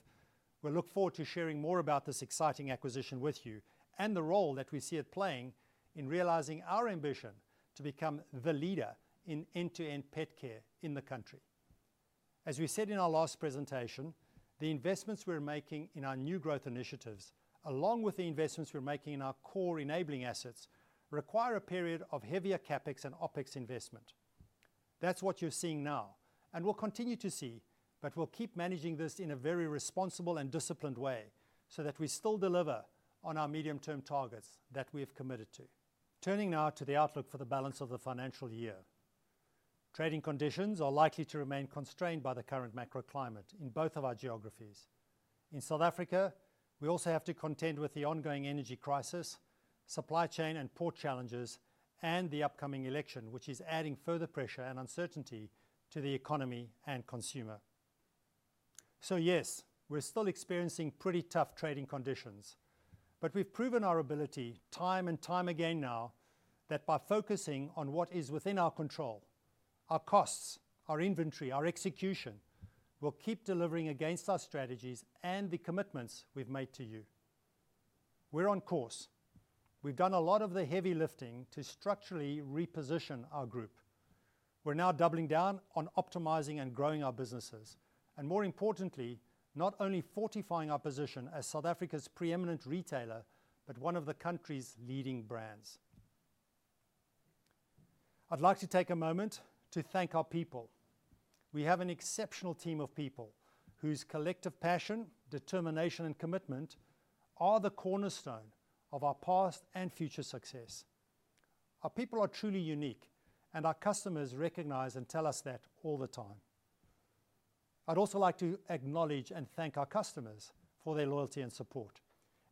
we'll look forward to sharing more about this exciting acquisition with you and the role that we see it playing in realizing our ambition to become the leader in end-to-end pet care in the country. As we said in our last presentation, the investments we're making in our new growth initiatives, along with the investments we're making in our core enabling assets, require a period of heavier CapEx and OpEx investment. That's what you're seeing now, and we'll continue to see, but we'll keep managing this in a very responsible and disciplined way so that we still deliver on our medium-term targets that we have committed to. Turning now to the outlook for the balance of the financial year. Trading conditions are likely to remain constrained by the current macro climate in both of our geographies. In South Africa, we also have to contend with the ongoing energy crisis, supply chain and port challenges, and the upcoming election, which is adding further pressure and uncertainty to the economy and consumer. So yes, we're still experiencing pretty tough trading conditions, but we've proven our ability time and time again now that by focusing on what is within our control, our costs, our inventory, our execution, we'll keep delivering against our strategies and the commitments we've made to you. We're on course. We've done a lot of the heavy lifting to structurally reposition our group. We're now doubling down on optimizing and growing our businesses, and more importantly, not only fortifying our position as South Africa's preeminent retailer, but one of the country's leading brands. I'd like to take a moment to thank our people. We have an exceptional team of people whose collective passion, determination, and commitment are the cornerstone of our past and future success. Our people are truly unique, and our customers recognize and tell us that all the time. I'd also like to acknowledge and thank our customers for their loyalty and support,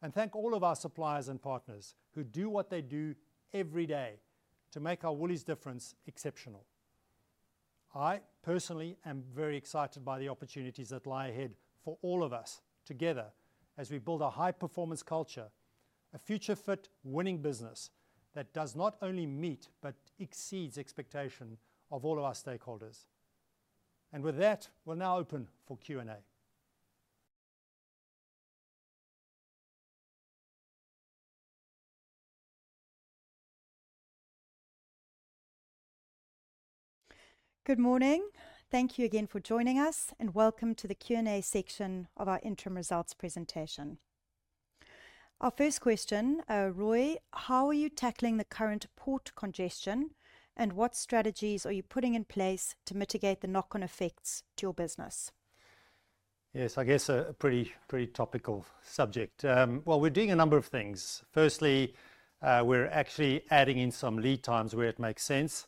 and thank all of our suppliers and partners who do what they do every day to make our Woolworths Difference exceptional. I personally am very excited by the opportunities that lie ahead for all of us together as we build a high-performance culture, a future-fit, winning business that does not only meet but exceeds expectations of all of our stakeholders. With that, we'll now open for Q&A. Good morning. Thank you again for joining us, and welcome to the Q&A section of our interim results presentation. Our first question, Roy, how are you tackling the current port congestion, and what strategies are you putting in place to mitigate the knock-on effects to your business? Yes, I guess a pretty topical subject. Well, we're doing a number of things. Firstly, we're actually adding in some lead times where it makes sense.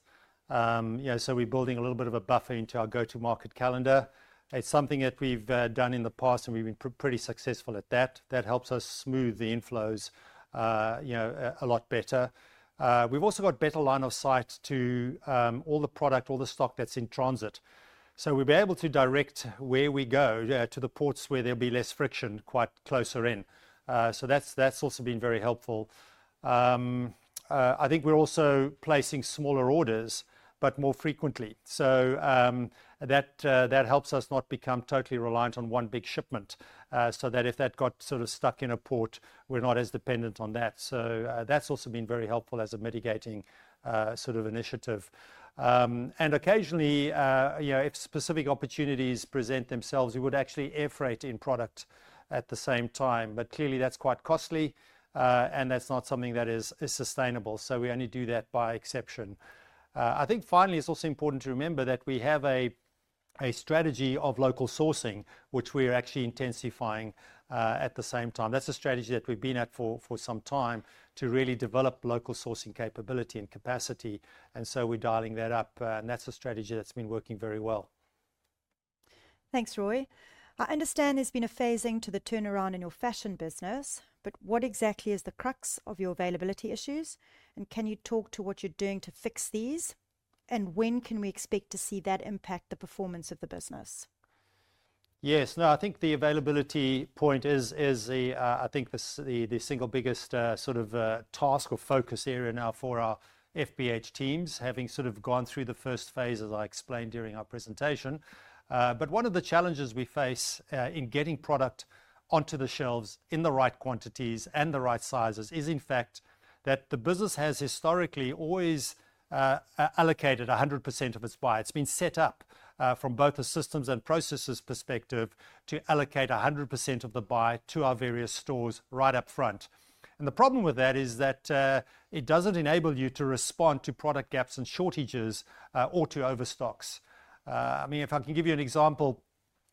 We're building a little bit of a buffer into our go-to-market calendar. It's something that we've done in the past, and we've been pretty successful at that. That helps us smooth the inflows a lot better. We've also got better line of sight to all the product, all the stock that's in transit. We'll be able to direct where we go to the ports where there'll be less friction quite closer in. That's also been very helpful. I think we're also placing smaller orders, but more frequently. That helps us not become totally reliant on one big shipment so that if that got sort of stuck in a port, we're not as dependent on that. That's also been very helpful as a mitigating sort of initiative. Occasionally, if specific opportunities present themselves, we would actually air freight in product at the same time, but clearly that's quite costly, and that's not something that is sustainable. We only do that by exception. I think finally, it's also important to remember that we have a strategy of local sourcing, which we're actually intensifying at the same time. That's a strategy that we've been at for some time to really develop local sourcing capability and capacity, and so we're dialing that up, and that's a strategy that's been working very well. Thanks, Roy. I understand there's been a phasing to the turnaround in your fashion business, but what exactly is the crux of your availability issues, and can you talk to what you're doing to fix these, and when can we expect to see that impact the performance of the business? Yes. No, I think the availability point is, I think, the single biggest sort of task or focus area now for our FBH teams, having sort of gone through the first phase, as I explained during our presentation. But one of the challenges we face in getting product onto the shelves in the right quantities and the right sizes is, in fact, that the business has historically always allocated 100% of its buy. It's been set up from both a systems and processes perspective to allocate 100% of the buy to our various stores right up front. The problem with that is that it doesn't enable you to respond to product gaps and shortages or to overstocks. I mean, if I can give you an example,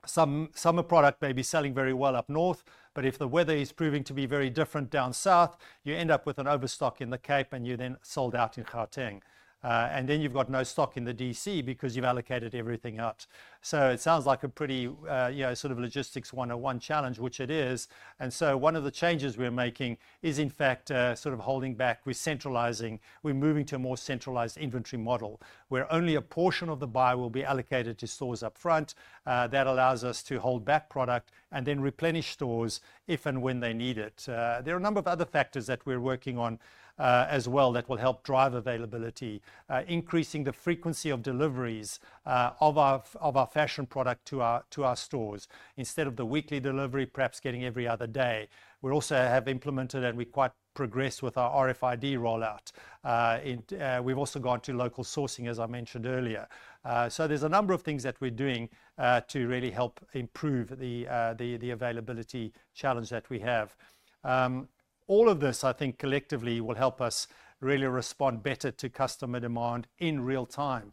summer product may be selling very well up north, but if the weather is proving to be very different down south, you end up with an overstock in the Cape, and you then sold out in Gauteng. Then you've got no stock in the DC because you've allocated everything out. It sounds like a pretty sort of logistics 101 challenge, which it is. One of the changes we're making is, in fact, sort of holding back, recentralizing. We're moving to a more centralized inventory model where only a portion of the buy will be allocated to stores up front. That allows us to hold back product and then replenish stores if and when they need it. There are a number of other factors that we're working on as well that will help drive availability, increasing the frequency of deliveries of our fashion product to our stores. Instead of the weekly delivery, perhaps getting every other day, we also have implemented and we quite progressed with our RFID rollout. We've also gone to local sourcing, as I mentioned earlier. There's a number of things that we're doing to really help improve the availability challenge that we have. All of this, I think, collectively will help us really respond better to customer demand in real time,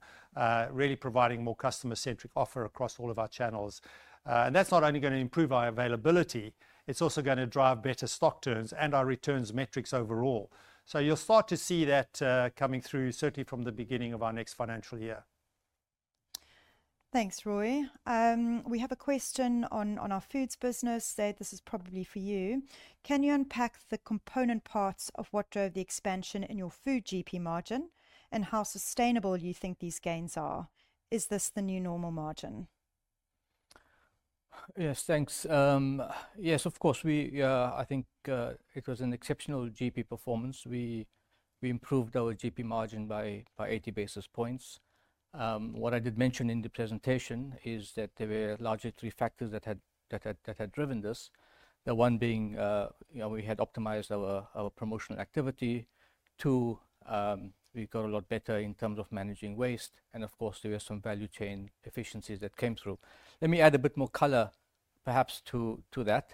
really providing more customer-centric offer across all of our channels. That's not only going to improve our availability, it's also going to drive better stock turns and our returns metrics overall. You'll start to see that coming through, certainly from the beginning of our next financial year. Thanks, Roy. We have a question on our foods business. Zaid, this is probably for you. Can you unpack the component parts of what drove the expansion in your food GP margin, and how sustainable do you think these gains are? Is this the new normal margin? Yes, thanks. Yes, of course. I think it was an exceptional GP performance. We improved our GP margin by 80 basis points. What I did mention in the presentation is that there were largely three factors that had driven this. The one being, we had optimized our promotional activity. Two, we got a lot better in terms of managing waste, and of course, there were some value chain efficiencies that came through. Let me add a bit more color, perhaps, to that.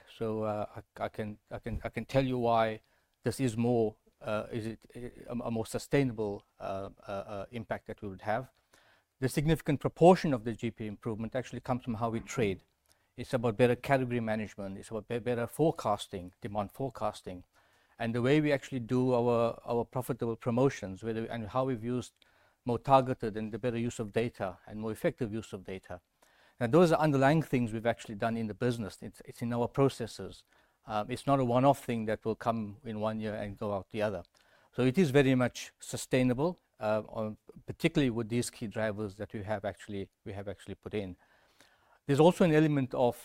I can tell you why this is more a more sustainable impact that we would have. The significant proportion of the GP improvement actually comes from how we trade. It's about better category management. It's about better forecasting, demand forecasting, and the way we actually do our profitable promotions and how we've used more targeted and the better use of data and more effective use of data. Those are underlying things we've actually done in the business. It's in our processes. It's not a one-off thing that will come in one year and go out the other. It is very much sustainable, particularly with these key drivers that we have actually put in. There's also an element of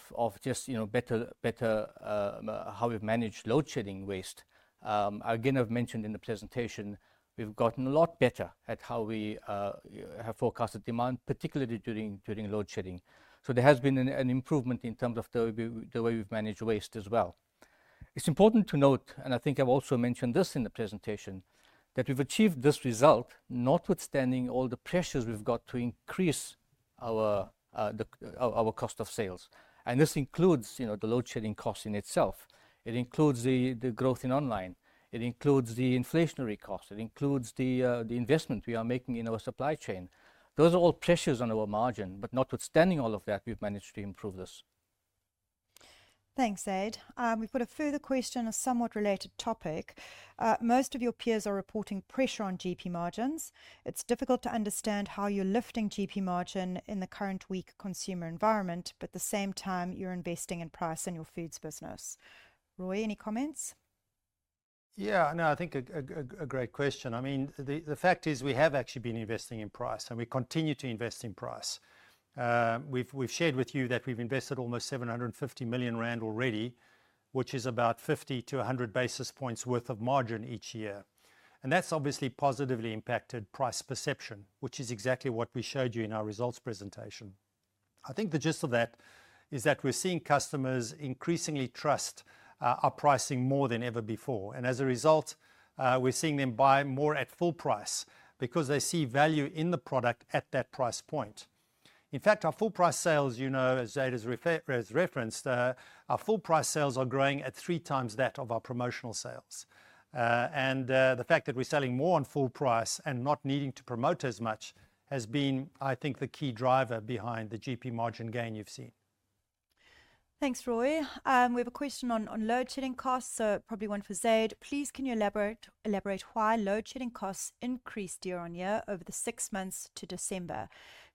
just better how we've managed load shedding waste. Again, I've mentioned in the presentation, we've gotten a lot better at how we have forecasted demand, particularly during load shedding. There has been an improvement in terms of the way we've managed waste as well. It's important to note, and I think I've also mentioned this in the presentation, that we've achieved this result notwithstanding all the pressures we've got to increase our cost of sales. This includes the load shedding cost in itself. It includes the growth in online. It includes the inflationary cost. It includes the investment we are making in our supply chain. Those are all pressures on our margin, but notwithstanding all of that, we've managed to improve this. Thanks, Zaid. We've got a further question on a somewhat related topic. Most of your peers are reporting pressure on GP margins. It's difficult to understand how you're lifting GP margin in the current weak consumer environment, but at the same time, you're investing in price in your foods business. Roy, any comments? Yeah. No, I think a great question.I mean, the fact is we have actually been investing in price, and we continue to invest in price. We've shared with you that we've invested almost 750 million rand already, which is about 50-100 basis points' worth of margin each year. That's obviously positively impacted price perception, which is exactly what we showed you in our results presentation. I think the gist of that is that we're seeing customers increasingly trust our pricing more than ever before, and as a result, we're seeing them buy more at full price because they see value in the product at that price point. In fact, our full price sales, as Zaid has referenced, our full price sales are growing at three times that of our promotional sales. The fact that we're selling more on full price and not needing to promote as much has been, I think, the key driver behind the GP margin gain you've seen. Thanks, Roy. We have a question on load shedding costs, probably one for Zaid. Please, can you elaborate why load shedding costs increased year-on-year over the six months to December?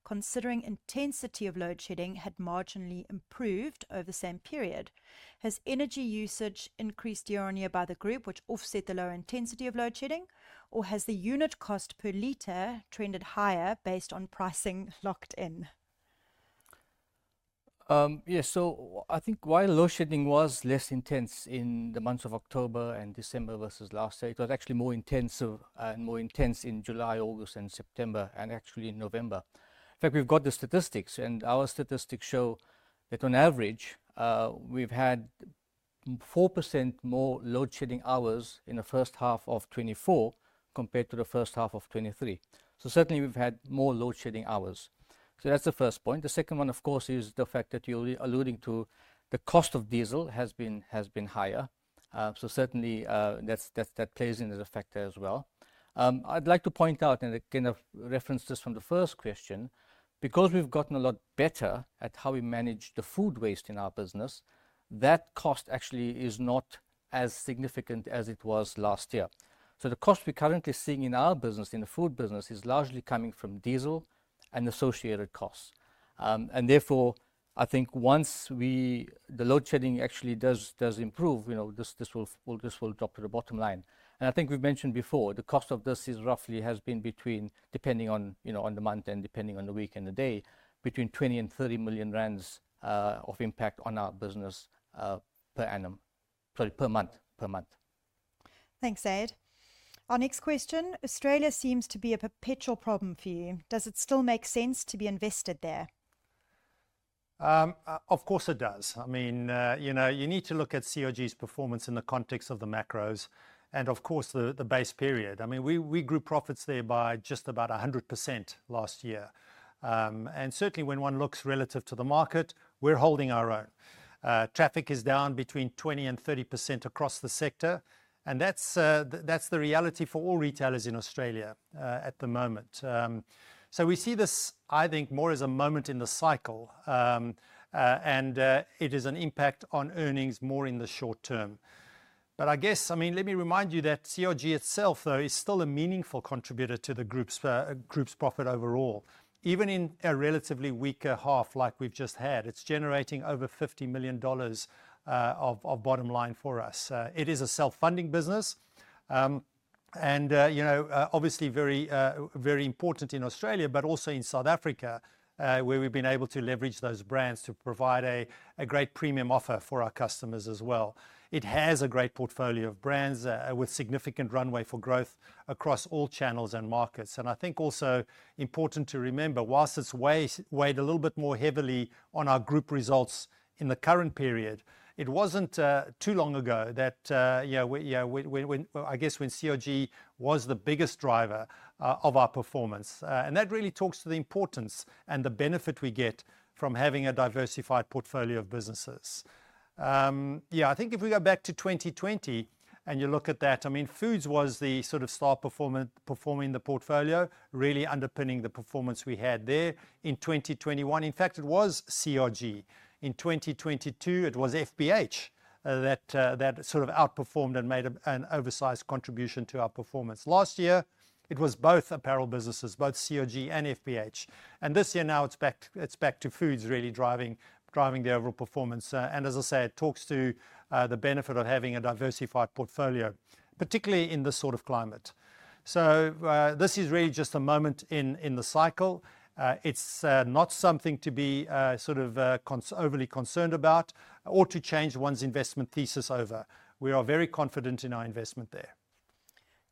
Considering intensity of load shedding had marginally improved over the same period, has energy usage increased year-on-year by the group, which offset the lower intensity of load shedding, or has the unit cost per liter trended higher based on pricing locked in? Yes. I think while load shedding was less intense in the months of October and December versus last year, it was actually more intense in July, August, and September, and actually in November. In fact, we've got the statistics, and our statistics show that on average, we've had 4% more load shedding hours in the first half of 2024 compared to the first half of 2023. Certainly, we've had more load shedding hours. That's the first point. The second one, of course, is the fact that you're alluding to the cost of diesel has been higher. Certainly, that plays in as a factor as well. I'd like to point out and reference this from the first question. Because we've gotten a lot better at how we manage the food waste in our business, that cost actually is not as significant as it was last year. The cost we're currently seeing in our business, in the food business, is largely coming from diesel and associated costs. Therefore, I think once the load shedding actually does improve, this will drop to the bottom line.I think we've mentioned before, the cost of this is roughly has been between, depending on the month and depending on the week and the day, between 20 million-30 million rand of impact on our business per annum, sorry, per month. Thanks, Zaid. Our next question. Australia seems to be a perpetual problem for you. Does it still make sense to be invested there? Of course, it does. I mean, you need to look at CRG's performance in the context of the macros and, of course, the base period. I mean, we grew profits there by just about 100% last year. Certainly, when one looks relative to the market, we're holding our own. Traffic is down between 20%-30% across the sector, and that's the reality for all retailers in Australia at the moment. We see this, I think, more as a moment in the cycle, and it is an impact on earnings more in the short term. But I guess, I mean, let me remind you that CRG itself, though, is still a meaningful contributor to the group's profit overall. Even in a relatively weaker half like we've just had, it's generating over $50 million of bottom line for us. It is a self-funding business and, obviously, very important in Australia, but also in South Africa, where we've been able to leverage those brands to provide a great premium offer for our customers as well. It has a great portfolio of brands with significant runway for growth across all channels and markets.I think it's also important to remember, while it's weighed a little bit more heavily on our group results in the current period, it wasn't too long ago that, I guess, when CRG was the biggest driver of our performance. That really talks to the importance and the benefit we get from having a diversified portfolio of businesses. Yeah, I think if we go back to 2020 and you look at that, I mean, foods was the sort of star performing the portfolio, really underpinning the performance we had there. In 2021, in fact, it was CRG. In 2022, it was FBH that sort of outperformed and made an oversized contribution to our performance. Last year, it was both apparel businesses, both CRG and FBH. This year, now it's back to foods really driving the overall performance. As I said, it talks to the benefit of having a diversified portfolio, particularly in this sort of climate. This is really just a moment in the cycle. It's not something to be sort of overly concerned about or to change one's investment thesis over. We are very confident in our investment there.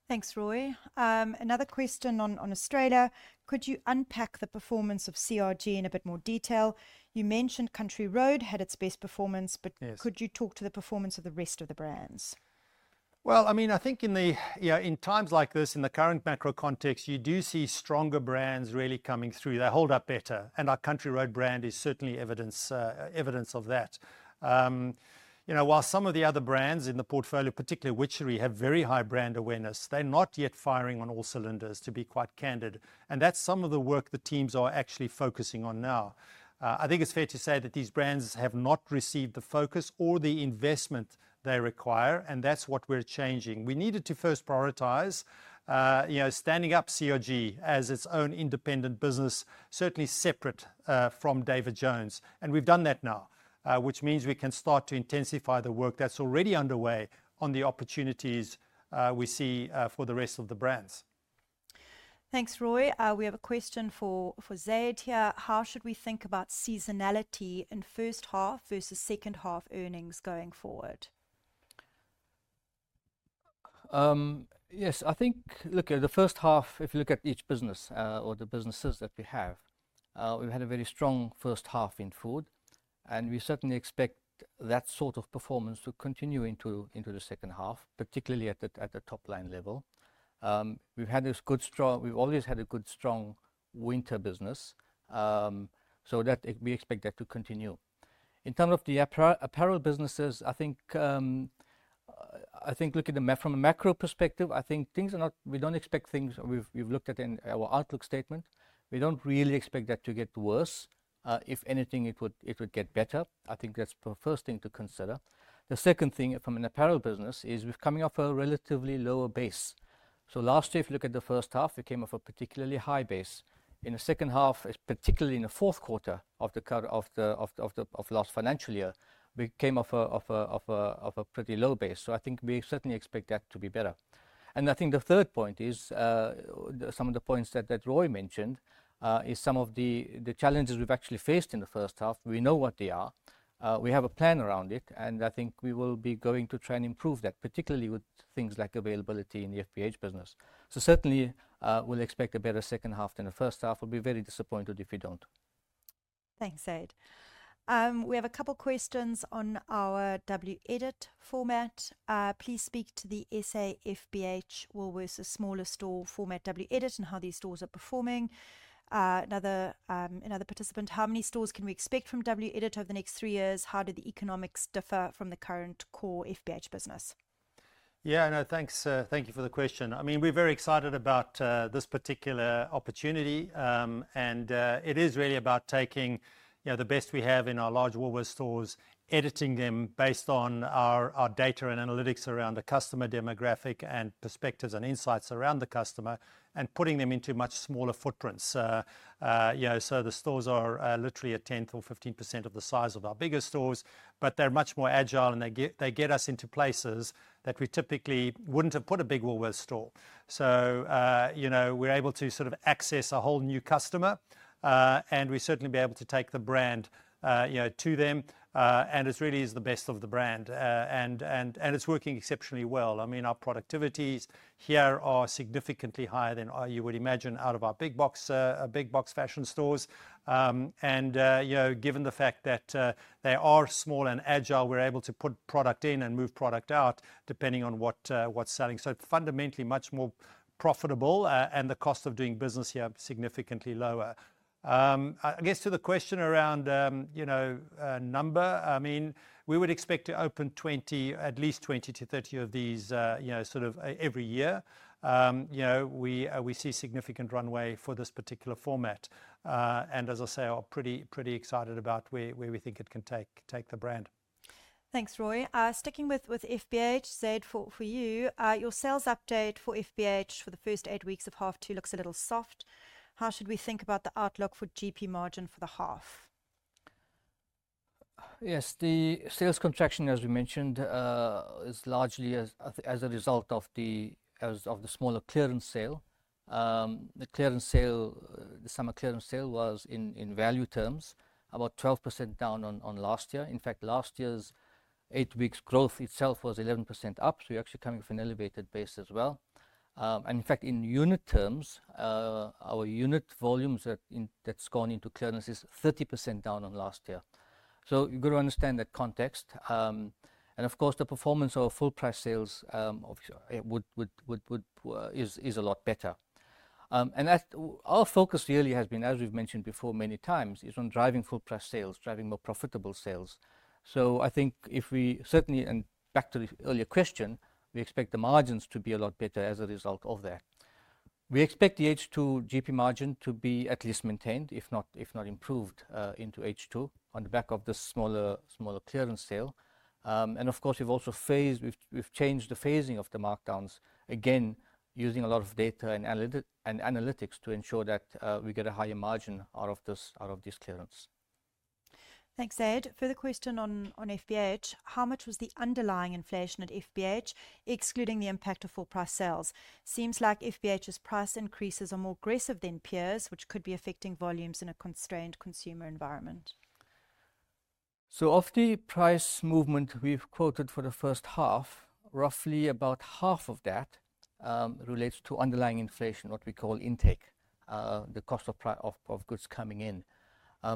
Thanks, Roy. Another question on Australia. Could you unpack the performance of CRG in a bit more detail? You mentioned Country Road had its best performance, but could you talk to the performance of the rest of the brands? Well, I mean, I think in times like this, in the current macro context, you do see stronger brands really coming through. They hold up better, and our Country Road brand is certainly evidence of that. While some of the other brands in the portfolio, particularly Witchery, have very high brand awareness, they're not yet firing on all cylinders, to be quite candid. That's some of the work the teams are actually focusing on now. I think it's fair to say that these brands have not received the focus or the investment they require, and that's what we're changing. We needed to first prioritize standing up CRG as its own independent business, certainly separate from David Jones. We've done that now, which means we can start to intensify the work that's already underway on the opportunities we see for the rest of the brands. Thanks, Roy. We have a question for Zaid here. How should we think about seasonality in first half versus second half earnings going forward? Yes. I think, look, the first half, if you look at each business or the businesses that we have, we've had a very strong first half in food, and we certainly expect that sort of performance to continue into the second half, particularly at the top line level. We've always had a good strong winter business, so we expect that to continue. In terms of the apparel businesses, I think looking from a macro perspective, I think things are not. We don't expect things we've looked at in our outlook statement, we don't really expect that to get worse. If anything, it would get better. I think that's the first thing to consider. The second thing from an apparel business is we're coming off a relatively lower base. Last year, if you look at the first half, we came off a particularly high base. In the second half, particularly in the fourth quarter of last financial year, we came off a pretty low base. I think we certainly expect that to be better. I think the third point is some of the points that Roy mentioned is some of the challenges we've actually faced in the first half. We know what they are. We have a plan around it, and I think we will be going to try and improve that, particularly with things like availability in the FBH business. Certainly, we'll expect a better second half than the first half. We'll be very disappointed if we don't. Thanks, Zaid. We have a couple of questions on our WEdit format. Please speak to the SA FBH Woolworths smaller store format WEdit and how these stores are performing. Another participant, how many stores can we expect from WEdit over the next three years? How do the economics differ from the current core FBH business? Yeah. No, thanks. Thank you for the question. I mean, we're very excited about this particular opportunity, and it is really about taking the best we have in our large Woolworths stores, editing them based on our data and analytics around the customer demographic and perspectives and insights around the customer, and putting them into much smaller footprints. The stores are literally a 10% or 15% of the size of our bigger stores, but they're much more agile, and they get us into places that we typically wouldn't have put a big Woolworths store. We're able to sort of access a whole new customer, and we certainly be able to take the brand to them, and it really is the best of the brand, and it's working exceptionally well. I mean, our productivities here are significantly higher than you would imagine out of our big box fashion stores. Given the fact that they are small and agile, we're able to put product in and move product out depending on what's selling. Fundamentally, much more profitable, and the cost of doing business here significantly lower. I guess to the question around number, I mean, we would expect to open at least 20-30 of these sort of every year. We see significant runway for this particular format. As I say, I'm pretty excited about where we think it can take the brand. Thanks, Roy. Sticking with FBH, Zaid, for you, your sales update for FBH for the first eight weeks of half two looks a little soft. How should we think about the outlook for GP margin for the half? Yes.The sales contraction, as we mentioned, is largely as a result of the smaller clearance sale. The summer clearance sale was, in value terms, about 12% down on last year. In fact, last year's eight weeks' growth itself was 11% up, so you're actually coming from an elevated base as well. In fact, in unit terms, our unit volumes that's gone into clearance is 30% down on last year. You've got to understand that context. Of course, the performance of our full price sales is a lot better. Our focus really has been, as we've mentioned before many times, is on driving full price sales, driving more profitable sales. I think if we certainly, and back to the earlier question, we expect the margins to be a lot better as a result of that. We expect the H2 GP margin to be at least maintained, if not improved, into H2 on the back of this smaller clearance sale. Of course, we've also changed the phasing of the markdowns again using a lot of data and analytics to ensure that we get a higher margin out of these clearance. Thanks, Zaid. For the question on FBH, how much was the underlying inflation at FBH excluding the impact of full price sales? Seems like FBH's price increases are more aggressive than peers, which could be affecting volumes in a constrained consumer environment. Of the price movement we've quoted for the first half, roughly about half of that relates to underlying inflation, what we call intake, the cost of goods coming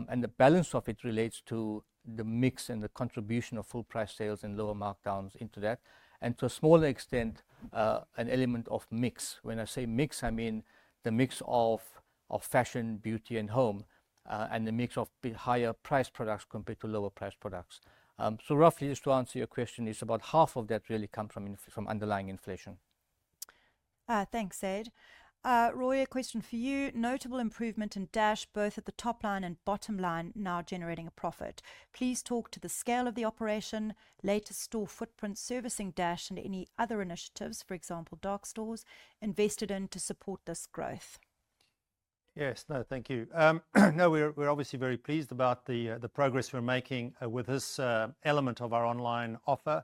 in. The balance of it relates to the mix and the contribution of full price sales and lower markdowns into that, and to a smaller extent, an element of mix. When I say mix, I mean the mix of fashion, beauty, and home, and the mix of higher price products compared to lower price products. Roughly, just to answer your question, it's about half of that really comes from underlying inflation. Thanks, Zaid. Roy, a question for you. Notable improvement in Dash, both at the top line and bottom line, now generating a profit. Please talk to the scale of the operation, latest store footprint, servicing Dash, and any other initiatives, for example, dark stores, invested in to support this growth. Yes. No, thank you. No, we're obviously very pleased about the progress we're making with this element of our online offer.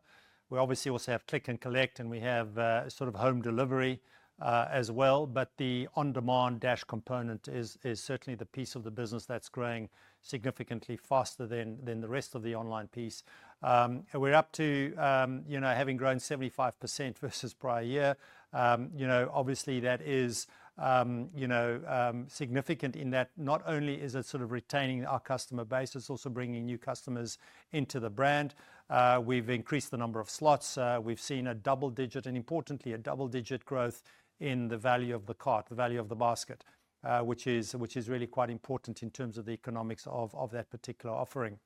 We obviously also have Click and Collect, and we have sort of home delivery as well, but the on-demand Dash component is certainly the piece of the business that's growing significantly faster than the rest of the online piece. We're up to having grown 75% versus prior year. Obviously, that is significant in that not only is it sort of retaining our customer base, it's also bringing new customers into the brand. We've increased the number of slots. We've seen a double digit, and importantly, a double digit growth in the value of the cart, the value of the basket, which is really quite important in terms of the economics of that particular offering.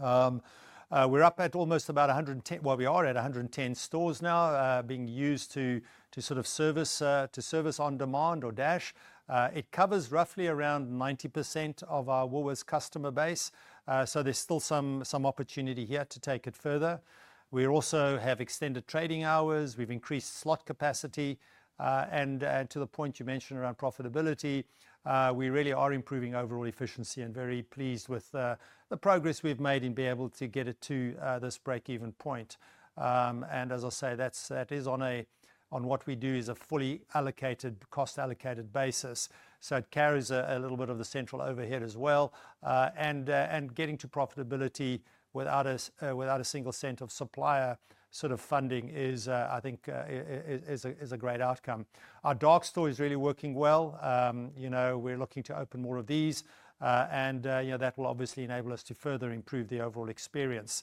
We're up at 110 stores now being used to sort of service on-demand or Dash. It covers roughly around 90% of our Woolworths customer base, so there's still some opportunity here to take it further. We also have extended trading hours. We've increased slot capacity. To the point you mentioned around profitability, we really are improving overall efficiency and very pleased with the progress we've made in being able to get it to this break-even point. As I say, that is on what we do is a fully cost-allocated basis, so it carries a little bit of the central overhead as well. Getting to profitability without a single cent of supplier sort of funding is, I think, a great outcome. Our dark store is really working well. We're looking to open more of these, and that will obviously enable us to further improve the overall experience.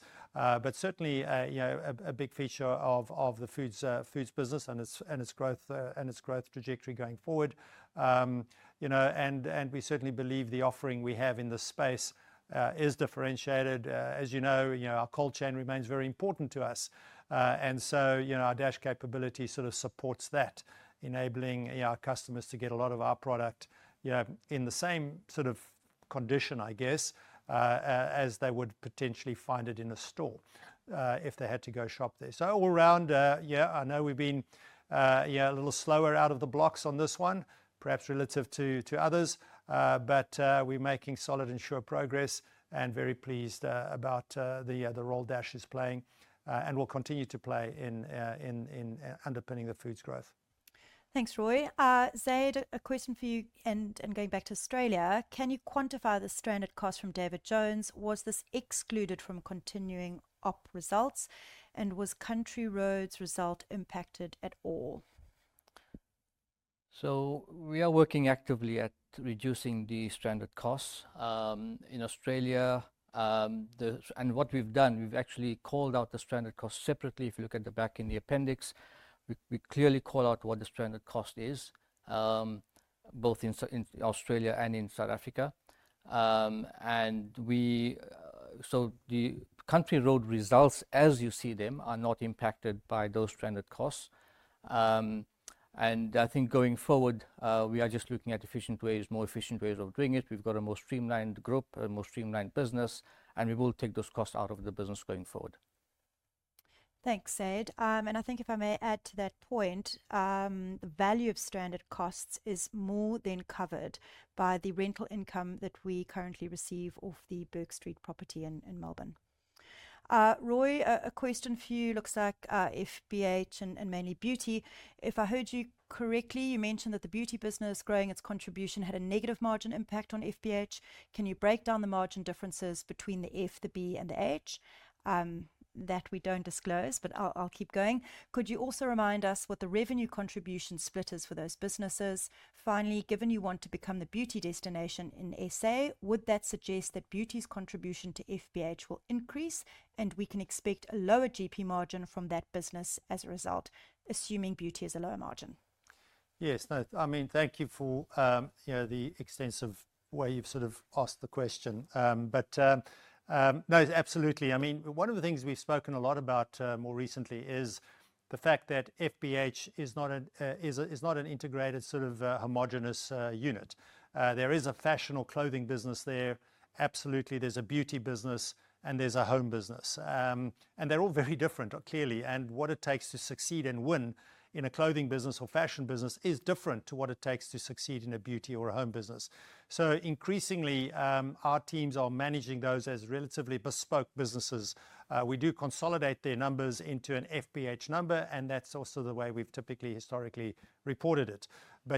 Certainly, a big feature of the foods business and its growth trajectory going forward. We certainly believe the offering we have in this space is differentiated. As you know, our cold chain remains very important to us, and so our Dash capability sort of supports that, enabling our customers to get a lot of our product in the same sort of condition, I guess, as they would potentially find it in a store if they had to go shop there. All around, yeah, I know we've been a little slower out of the blocks on this one, perhaps relative to others, but we're making solid and sure progress and very pleased about the role Dash is playing, and will continue to play in underpinning the foods growth. Thanks, Roy. Zaid, a question for you and going back to Australia. Can you quantify the stranded cost from David Jones? Was this excluded from continuing op results, and was Country Road's result impacted at all? We are working actively at reducing the stranded costs. In Australia and what we've done, we've actually called out the stranded costs separately. If you look at the back in the appendix, we clearly call out what the stranded cost is, both in Australia and in South Africa. The Country Road results, as you see them, are not impacted by those stranded costs. I think going forward, we are just looking at efficient ways, more efficient ways of doing it. We've got a more streamlined group, a more streamlined business, and we will take those costs out of the business going forward. Thanks, Zaid. I think if I may add to that point, the value of stranded costs is more than covered by the rental income that we currently receive off the Bourke Street property in Melbourne. Roy, a question for you. Looks like FBH and mainly beauty. If I heard you correctly, you mentioned that the beauty business, growing its contribution, had a negative margin impact on FBH. Can you break down the margin differences between the F, the B, and the H that we don't disclose, but I'll keep going? Could you also remind us what the revenue contribution split is for those businesses? Finally, given you want to become the beauty destination in SA, would that suggest that beauty's contribution to FBH will increase, and we can expect a lower GP margin from that business as a result, assuming beauty has a lower margin? Yes. No, I mean, thank you for the extensive way you've sort of asked the question. No, absolutely. I mean, one of the things we've spoken a lot about more recently is the fact that FBH is not an integrated sort of homogenous unit. There is a fashion or clothing business there. Absolutely, there's a beauty business, and there's a home business. They're all very different, clearly, and what it takes to succeed and win in a clothing business or fashion business is different to what it takes to succeed in a beauty or a home business. Increasingly, our teams are managing those as relatively bespoke businesses. We do consolidate their numbers into an FBH number, and that's also the way we've typically, historically, reported it.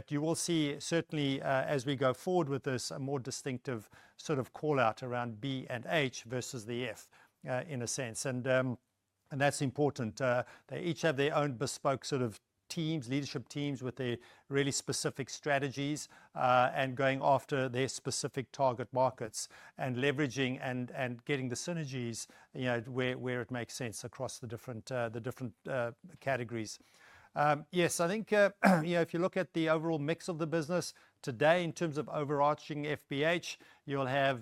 You will see, certainly, as we go forward with this, a more distinctive sort of callout around B and H versus the F, in a sense. That's important. They each have their own bespoke sort of teams, leadership teams with their really specific strategies and going after their specific target markets and leveraging and getting the synergies where it makes sense across the different categories. Yes. I think if you look at the overall mix of the business today, in terms of overarching FBH, you'll have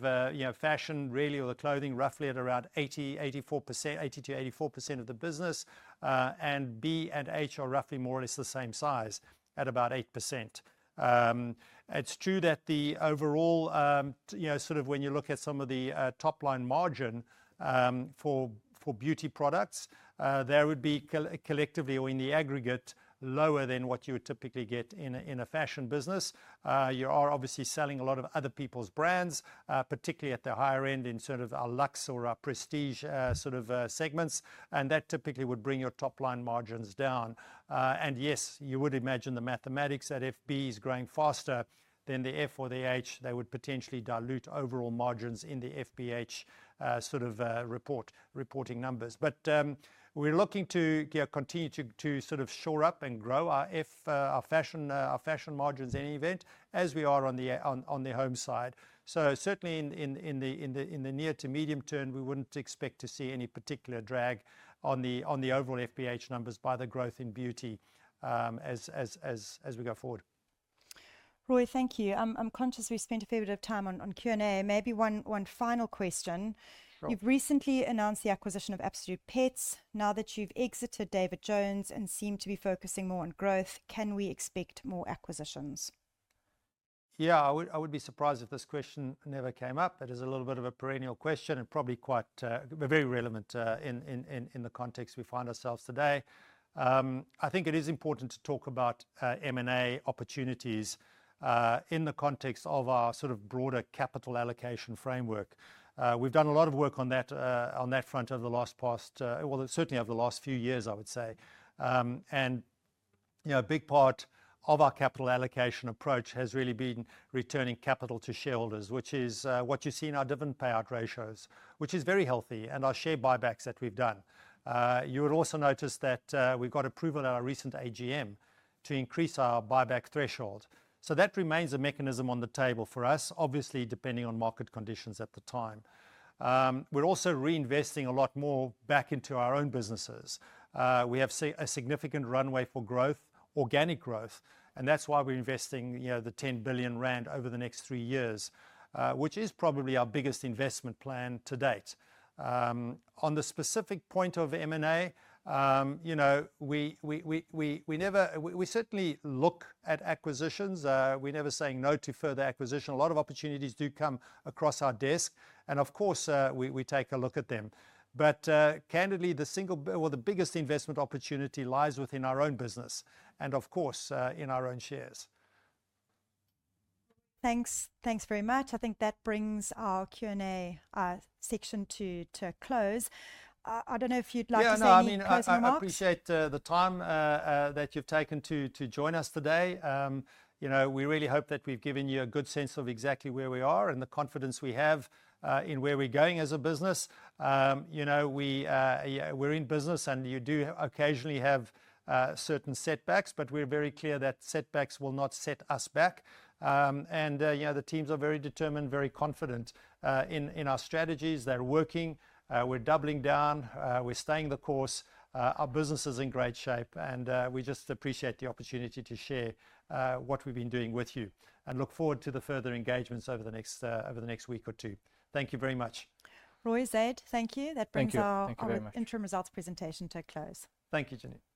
fashion, really, or the clothing roughly at around 80%-84% of the business, and B and H are roughly more or less the same size at about 8%. It's true that the overall sort of when you look at some of the top line margin for beauty products, there would be collectively or in the aggregate lower than what you would typically get in a fashion business. You are obviously selling a lot of other people's brands, particularly at the higher end in sort of our luxe or our prestige sort of segments, and that typically would bring your top line margins down. Yes, you would imagine the mathematics that if B is growing faster than the F or the H, they would potentially dilute overall margins in the FBH sort of reporting numbers. We're looking to continue to sort of shore up and grow our fashion margins in any event as we are on the home side. Certainly, in the near to medium term, we wouldn't expect to see any particular drag on the overall FBH numbers by the growth in beauty as we go forward. Roy, thank you. I'm conscious we spent a fair bit of time on Q&A. Maybe one final question. You've recently announced the acquisition of Absolute Pets. Now that you've exited David Jones and seem to be focusing more on growth, can we expect more acquisitions? Yeah. I would be surprised if this question never came up.It is a little bit of a perennial question and probably quite very relevant in the context we find ourselves today. I think it is important to talk about M&A opportunities in the context of our sort of broader capital allocation framework. We've done a lot of work on that front over the last few years, I would say. A big part of our capital allocation approach has really been returning capital to shareholders, which is what you see in our dividend payout ratios, which is very healthy, and our share buybacks that we've done. You would also notice that we've got approval at our recent AGM to increase our buyback threshold. That remains a mechanism on the table for us, obviously depending on market conditions at the time. We're also reinvesting a lot more back into our own businesses. We have a significant runway for organic growth, and that's why we're investing 10 billion rand over the next three years, which is probably our biggest investment plan to date. On the specific point of M&A, we certainly look at acquisitions. We're never saying no to further acquisition. A lot of opportunities do come across our desk, and of course, we take a look at them. Candidly, the single biggest investment opportunity lies within our own business and, of course, in our own shares. Thanks. Thanks very much. I think that brings our Q&A section to a close. I don't know if you'd like to say any closing remarks. Yeah. No, I mean, I appreciate the time that you've taken to join us today. We really hope that we've given you a good sense of exactly where we are and the confidence we have in where we're going as a business. We're in business, and you do occasionally have certain setbacks, but we're very clear that setbacks will not set us back. The teams are very determined, very confident in our strategies. They're working. We're doubling down. We're staying the course. Our business is in great shape, and we just appreciate the opportunity to share what we've been doing with you and look forward to the further engagements over the next week or two. Thank you very much. Roy, Zaid, thank you. That brings our interim results presentation to a close. Thank you, Jenny.